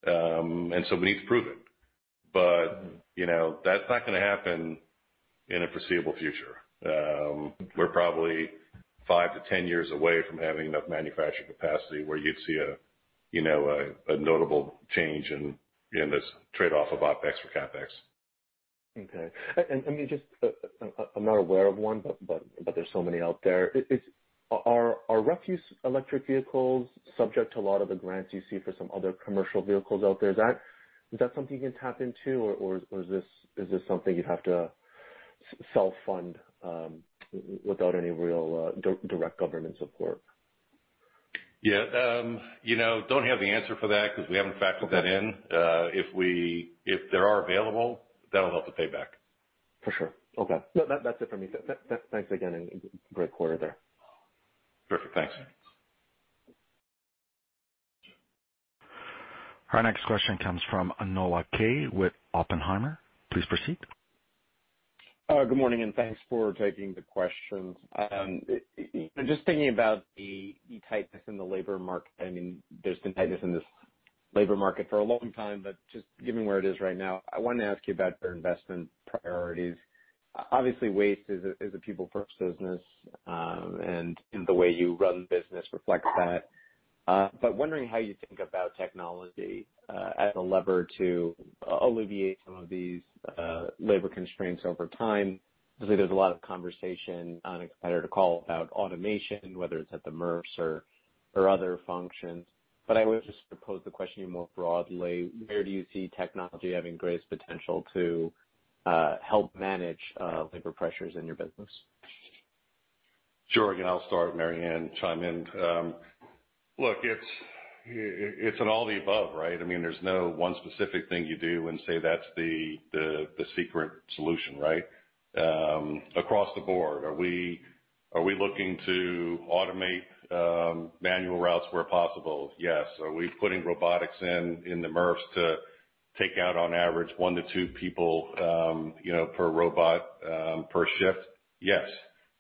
We need to prove it. You know, that's not gonna happen in the foreseeable future. We're probably 5 to 10 years away from having enough manufacturing capacity where you'd see a, you know, a notable change in this trade-off of OpEx for CapEx. Okay. I mean, just, I'm not aware of one, but there's so many out there. Are refuse electric vehicles subject to a lot of the grants you see for some other commercial vehicles out there? Is that something you can tap into or is this something you'd have to self-fund without any real direct government support? Yeah. You know, don't have the answer for that 'cause we haven't factored that in. If there are available, that'll help the payback. For sure. Okay. No, that's it for me. Thanks again and great quarter there. Perfect. Thanks. Our next question comes from Noah Kaye with Oppenheimer. Please proceed. Good morning, and thanks for taking the questions. Just thinking about the tightness in the labor market. I mean, there's been tightness in this labor market for a long time, but just given where it is right now, I wanted to ask you about your investment priorities. Obviously, waste is a people first business, and the way you run business reflects that. Wondering how you think about technology as a lever to alleviate some of these labor constraints over time. 'Cause there's a lot of conversation on a competitor call about automation, whether it's at the MRFs or other functions. I would just propose the question more broadly: Where do you see technology having greatest potential to help manage labor pressures in your business? Sure. Again, I'll start, Mary Anne, chime in. Look, it's an all-the-above, right? I mean, there's no one specific thing you do and say that's the secret solution, right? Across the board, are we looking to automate manual routes where possible? Yes. Are we putting robotics in the MRFs to take out on average 1-2 people, you know, per robot per shift? Yes.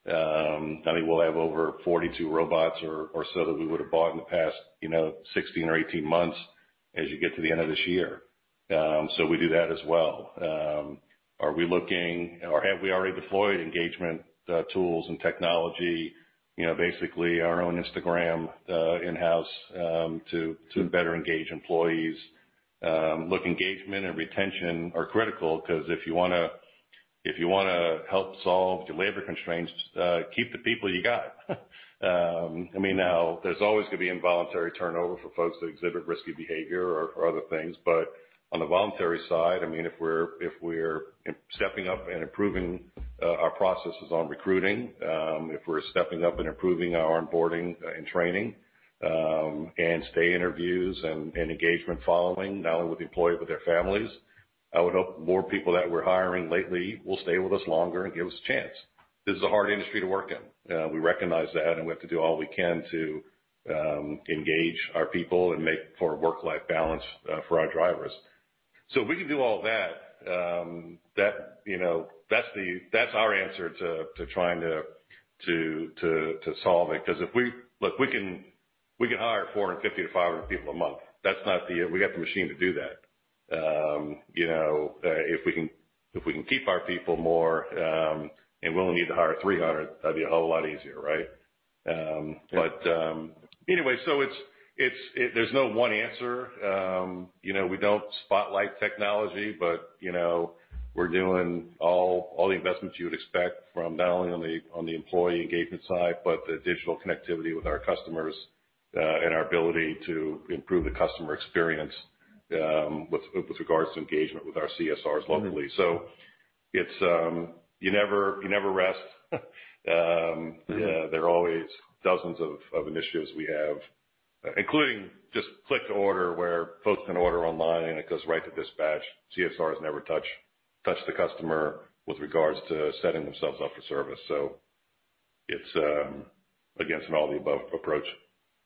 I mean, we'll have over 42 robots or so that we would have bought in the past 16 or 18 months as you get to the end of this year. We do that as well. Are we looking or have we already deployed engagement tools and technology, you know, basically our own Instagram in-house to better engage employees? Look, engagement and retention are critical 'cause if you wanna help solve your labor constraints, keep the people you got. I mean, now, there's always gonna be involuntary turnover for folks that exhibit risky behavior or other things. But on the voluntary side, I mean, if we're stepping up, and improving our processes on recruiting, if we're stepping up and improving our onboarding and training, and stay interviews and engagement following, not only with the employee, but their families, I would hope more people that we're hiring lately will stay with us longer and give us a chance. This is a hard industry to work in. We recognize that, and we have to do all we can to engage our people and make for a work-life balance for our drivers. If we can do all that, you know, that's the. That's our answer to trying to solve it. 'Cause if we. Look, we can hire 450-500 people a month. That's not the. We got the machine to do that. You know, if we can keep our people more, and we only need to hire 300, that'd be a whole lot easier, right? But anyway, it's. There's no one answer. You know, we don't spotlight technology, but you know, we're doing all the investments you would expect from not only on the employee engagement side, but the digital connectivity with our customers, and our ability to improve the customer experience, with regards to engagement with our CSRs locally. It's you never rest. There are always dozens of initiatives we have, including just click to order, where folks can order online, and it goes right to dispatch. CSRs never touch the customer with regards to setting themselves up for service. It's, again, it's an all-of-the-above approach.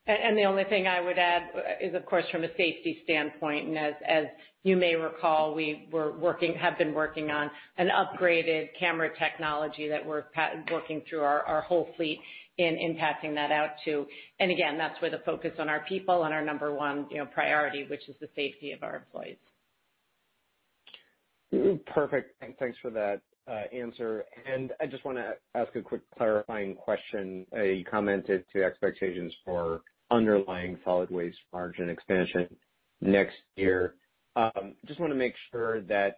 The only thing I would add is, of course, from a safety standpoint, and as you may recall, we have been working on an upgraded camera technology that we're working through our whole fleet, implementing that throughout too. Again, that's where the focus on our people and our number one, you know, priority, which is the safety of our employees. Perfect. Thanks for that, answer. I just wanna ask a quick clarifying question. You commented on expectations for underlying solid waste margin expansion next year. Just wanna make sure that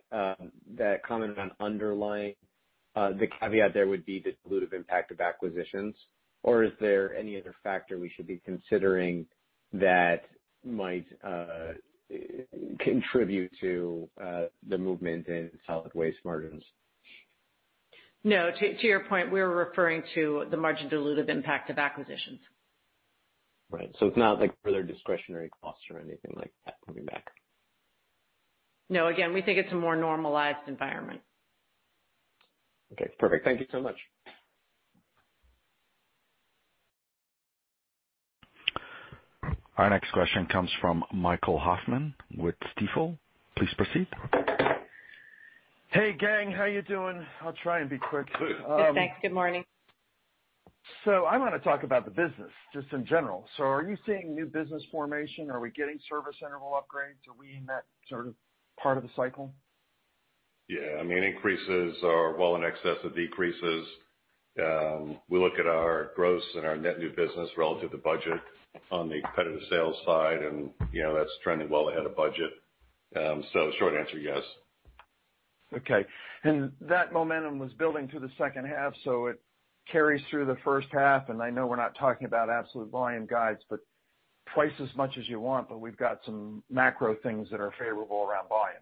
that comment on underlying, the caveat there would be dilutive impact of acquisitions. Or is there any other factor we should be considering that might contribute to the movement in solid waste margins? No, to your point, we're referring to the margin dilutive impact of acquisitions. Right. It's not like further discretionary costs or anything like that coming back. No, again, we think it's a more normalized environment. Okay, perfect. Thank you so much. Our next question comes from Michael Hoffman with Stifel. Please proceed. Hey, gang. How are you doing? I'll try and be quick. Thanks. Good morning. I want to talk about the business just in general. Are you seeing new business formation? Are we getting service interval upgrades? Are we in that sort of part of the cycle? Yeah, I mean, increases are well in excess of decreases. We look at our gross and our net new business relative to budget on the kind of the sales side, and, you know, that's trending well ahead of budget. Short answer, yes. Okay. That momentum was building through the second half, so it carries through the first half, and I know we're not talking about absolute volume guides, but twice as much as you want, but we've got some macro things that are favorable around volume.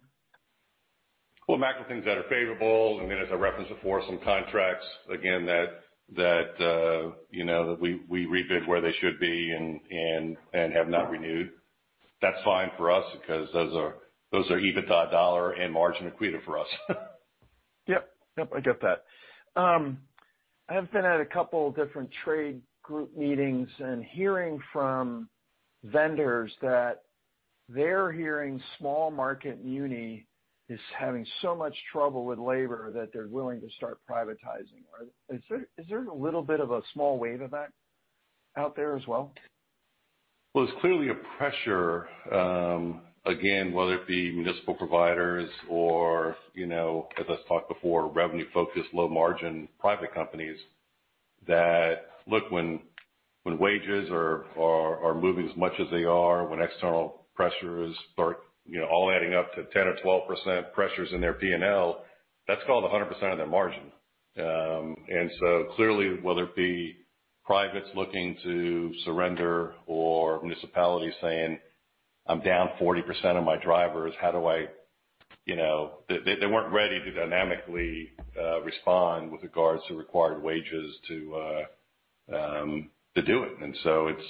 Well, macro things that are favorable, and then as I referenced before, some contracts, again, that you know that we rebid where they should be and have not renewed. That's fine for us because those are EBITDA dollar and margin accretive for us. Yep. Yep, I get that. I have been at a couple different trade group meetings and hearing from vendors that they're hearing small market muni is having so much trouble with labor that they're willing to start privatizing. Is there a little bit of a small wave of that out there as well? Well, it's clearly a pressure, again, whether it be municipal providers or, you know, as I talked before, revenue-focused, low-margin private companies that look when wages are moving as much as they are, when external pressures start, you know, all adding up to 10 or 12% pressures in their P&L, that's called 100% of their margin. Clearly, whether it be privates looking to surrender or municipalities saying, "I'm down 40% of my drivers, how do I." You know, they weren't ready to dynamically respond with regards to required wages to do it.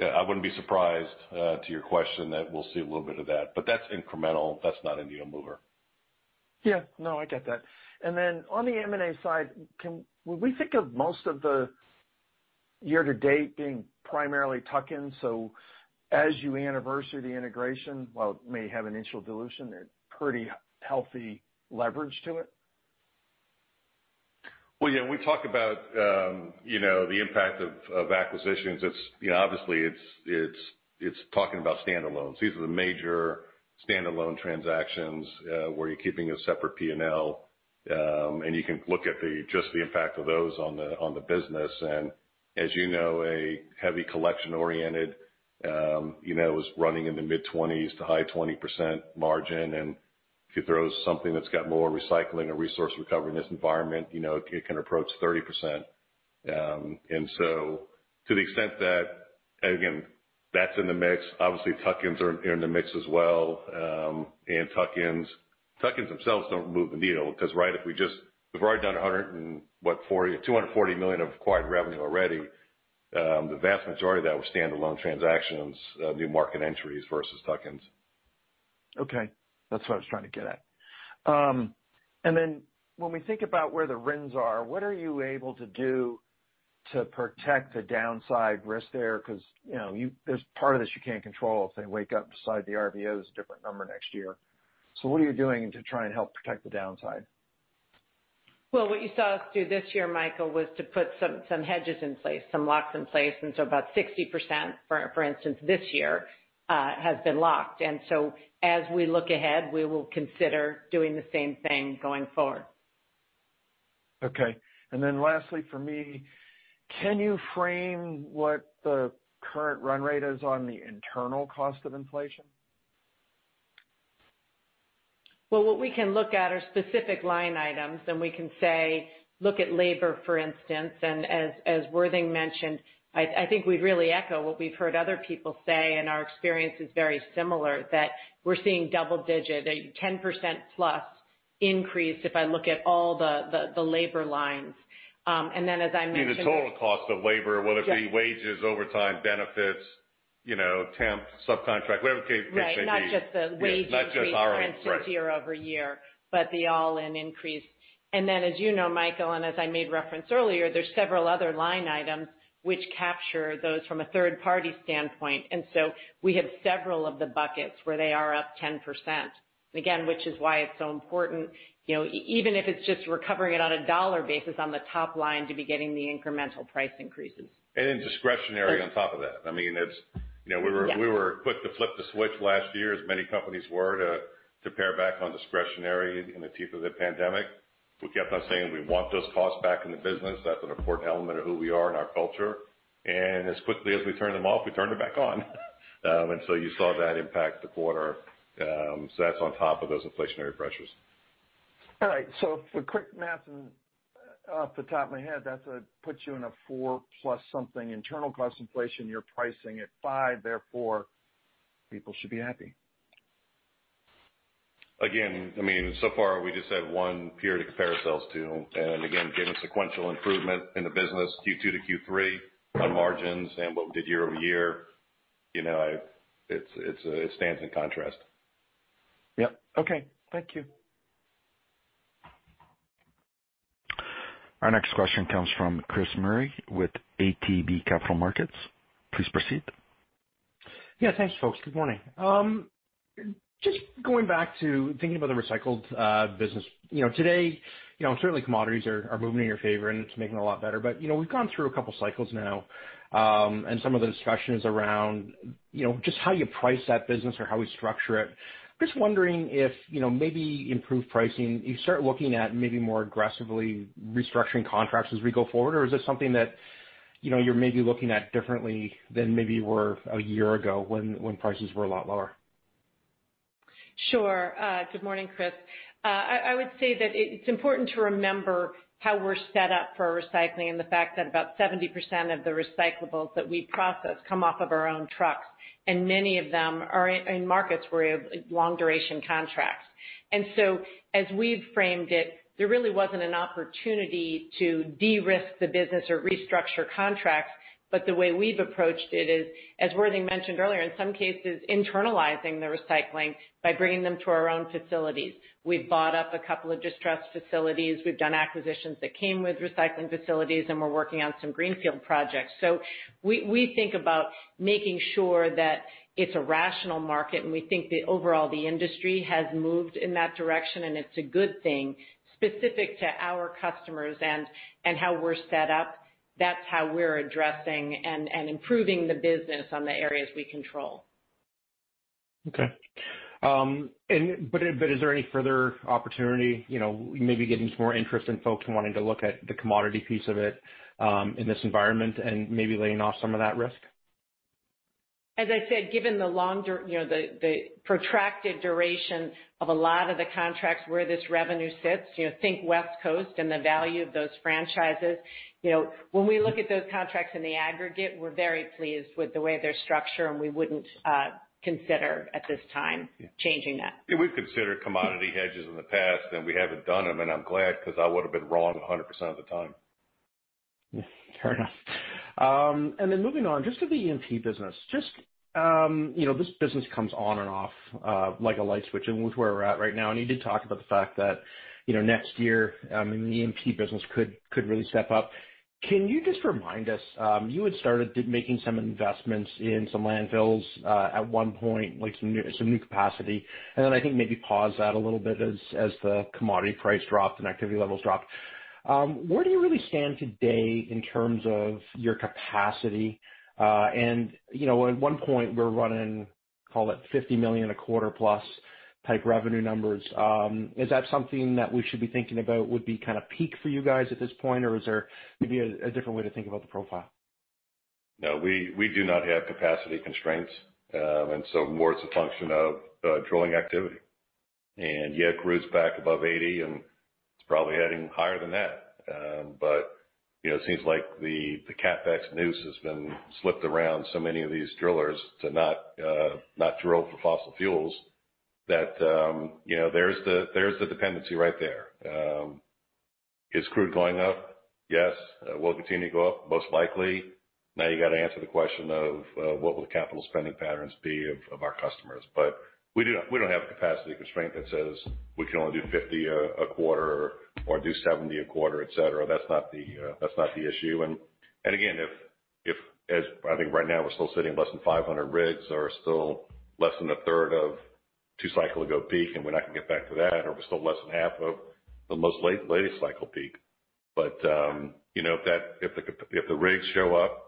I wouldn't be surprised to your question that we'll see a little bit of that, but that's incremental. That's not a needle mover. Yeah. No, I get that. On the M&A side, would we think of most of the year to date being primarily tuck-in? As you anniversary the integration, while it may have an initial dilution, there's pretty healthy leverage to it. Well, yeah, we talked about the impact of acquisitions. It's, you know, obviously talking about stand-alones. These are the major stand-alone transactions where you're keeping a separate P&L and you can look at just the impact of those on the business. As you know, a heavy collection-oriented is running in the mid-20s to high 20% margin. If you throw something that's got more recycling or resource recovery in this environment, you know, it can approach 30%. To the extent that, again, that's in the mix, obviously, tuck-ins are in the mix as well. Tuck-ins themselves don't move the needle 'cause right, we've already done $140 million, $240 million of acquired revenue already. The vast majority of that was stand-alone transactions, new market entries versus tuck-ins. Okay. That's what I was trying to get at. Then when we think about where the RINs are, what are you able to do to protect the downside risk there? 'Cause, you know, there's part of this you can't control if they wake up with the RVOs different number next year. What are you doing to try and help protect the downside? Well, what you saw us do this year, Michael, was to put some hedges in place, some locks in place, and so about 60%, for instance, this year, has been locked. As we look ahead, we will consider doing the same thing going forward. Okay. Lastly, for me, can you frame what the current run rate is on the internal cost of inflation? Well, what we can look at are specific line items, and we can say, look at labor, for instance. As Worthing mentioned, I think we really echo what we've heard other people say, and our experience is very similar that we're seeing double-digit, 10%+ increase if I look at all the labor lines. And then as I mentioned- You mean the total cost of labor, whether it be wages, overtime, benefits, you know, temp, subcontract, whatever the case may be. Right. Not just the wage increase. Not just ROE. Right. Year over year, but the all-in increase. Then as you know, Michael, and as I made reference earlier, there's several other line items which capture those from a third party standpoint, and so we have several of the buckets where they are up 10%. Again, which is why it's so important, you know, even if it's just recovering it on a dollar basis on the top line to be getting the incremental price increases. Discretionary on top of that. I mean, it's, you know, we were. Yeah. We were quick to flip the switch last year, as many companies were, to pare back on discretionary in the teeth of the pandemic. We kept on saying we want those costs back in the business. That's an important element of who we are and our culture. As quickly as we turned them off, we turned them back on. You saw that impact the quarter. That's on top of those inflationary pressures. All right, for quick math and off the top of my head, that puts you in a 4+ something internal cost inflation. You're pricing at 5, therefore people should be happy. Again, I mean, so far, we just have one period to compare ourselves to. Again, given sequential improvement in the business, Q2 to Q3 on margins and what we did year-over-year, you know, it stands in contrast. Yep. Okay. Thank you. Our next question comes from Chris Murray with ATB Capital Markets. Please proceed. Yeah, thanks, folks. Good morning. Just going back to thinking about the recycling business. You know, today, you know, certainly commodities are moving in your favor, and it's making it a lot better. But, you know, we've gone through a couple cycles now, and some of the discussions around, you know, just how you price that business or how we structure it. Just wondering if, you know, maybe improved pricing, you start looking at maybe more aggressively restructuring contracts as we go forward, or is this something that, you know, you're maybe looking at differently than maybe you were a year ago when prices were a lot lower? Sure. Good morning, Chris. I would say that it's important to remember how we're set up for recycling and the fact that about 70% of the recyclables that we process come off of our own trucks, and many of them are in markets where we have long duration contracts. As we've framed it, there really wasn't an opportunity to de-risk the business or restructure contracts. The way we've approached it is, as Worthing mentioned earlier, in some cases, internalizing the recycling by bringing them to our own facilities. We've bought up a couple of distressed facilities. We've done acquisitions that came with recycling facilities, and we're working on some greenfield projects. We think about making sure that it's a rational market, and we think that overall, the industry has moved in that direction and it's a good thing specific to our customers and how we're set up. That's how we're addressing and improving the business on the areas we control. Is there any further opportunity, you know, maybe getting some more interest in folks wanting to look at the commodity piece of it, in this environment and maybe laying off some of that risk? As I said, given the long, you know, the protracted duration of a lot of the contracts where this revenue sits, you know, think West Coast and the value of those franchises. You know, when we look at those contracts in the aggregate, we're very pleased with the way they're structured, and we wouldn't consider at this time changing that. Yeah, we've considered commodity hedges in the past, and we haven't done them, and I'm glad because I would have been wrong 100% of the time. Fair enough. Moving on, just to the E&P business. Just, you know, this business comes on and off, like a light switch and with where we're at right now, and you did talk about the fact that, you know, next year, the E&P business could really step up. Can you just remind us, you had started making some investments in some landfills, at one point, like some new capacity, and then I think maybe paused that a little bit as the commodity price dropped and activity levels dropped. Where do you really stand today in terms of your capacity? You know, at one point, we're running, call it $50 million a quarter plus type revenue numbers. Is that something that we should be thinking about would be kinda peak for you guys at this point, or is there maybe a different way to think about the profile? No, we do not have capacity constraints. More, it's a function of drilling activity. Yet crude's back above 80, and it's probably heading higher than that. It seems like the CapEx noose has been slipped around so many of these drillers to not drill for fossil fuels that there's the dependency right there. Is crude going up? Yes. Will it continue to go up? Most likely. Now you gotta answer the question of what will the capital spending patterns be of our customers. We don't have a capacity constraint that says we can only do 50 a quarter or do 70 a quarter, et cetera. That's not the issue. Again, if as... I think right now we're still sitting less than 500 rigs or still less than a third of two cycles ago peak, and we're not gonna get back to that, or we're still less than half of the latest cycle peak. If the rigs show up,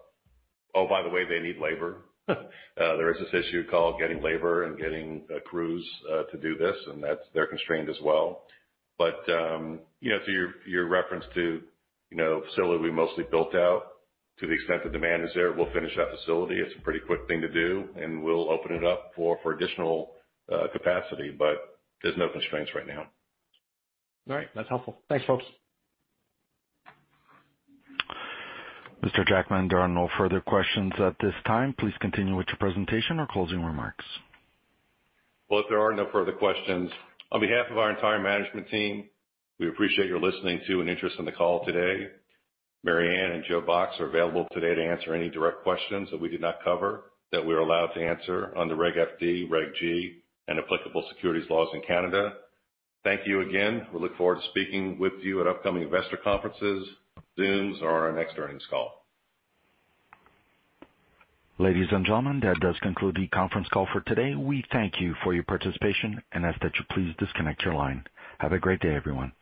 by the way, they need labor. There is this issue called getting labor and crews to do this, and they're constrained as well. To your reference to the facility we mostly built out. To the extent the demand is there, we'll finish that facility. It's a pretty quick thing to do, and we'll open it up for additional capacity, but there's no constraints right now. All right. That's helpful. Thanks, folks. Mr. Jackman, there are no further questions at this time. Please continue with your presentation or closing remarks. Well, if there are no further questions, on behalf of our entire management team, we appreciate your listening to and interest in the call today. Mary Anne and Joe Box are available today to answer any direct questions that we did not cover that we are allowed to answer under Reg FD, Reg G, and applicable securities laws in Canada. Thank you again. We look forward to speaking with you at upcoming investor conferences, Zooms, or our next earnings call. Ladies and gentlemen, that does conclude the conference call for today. We thank you for your participation and ask that you please disconnect your line. Have a great day, everyone.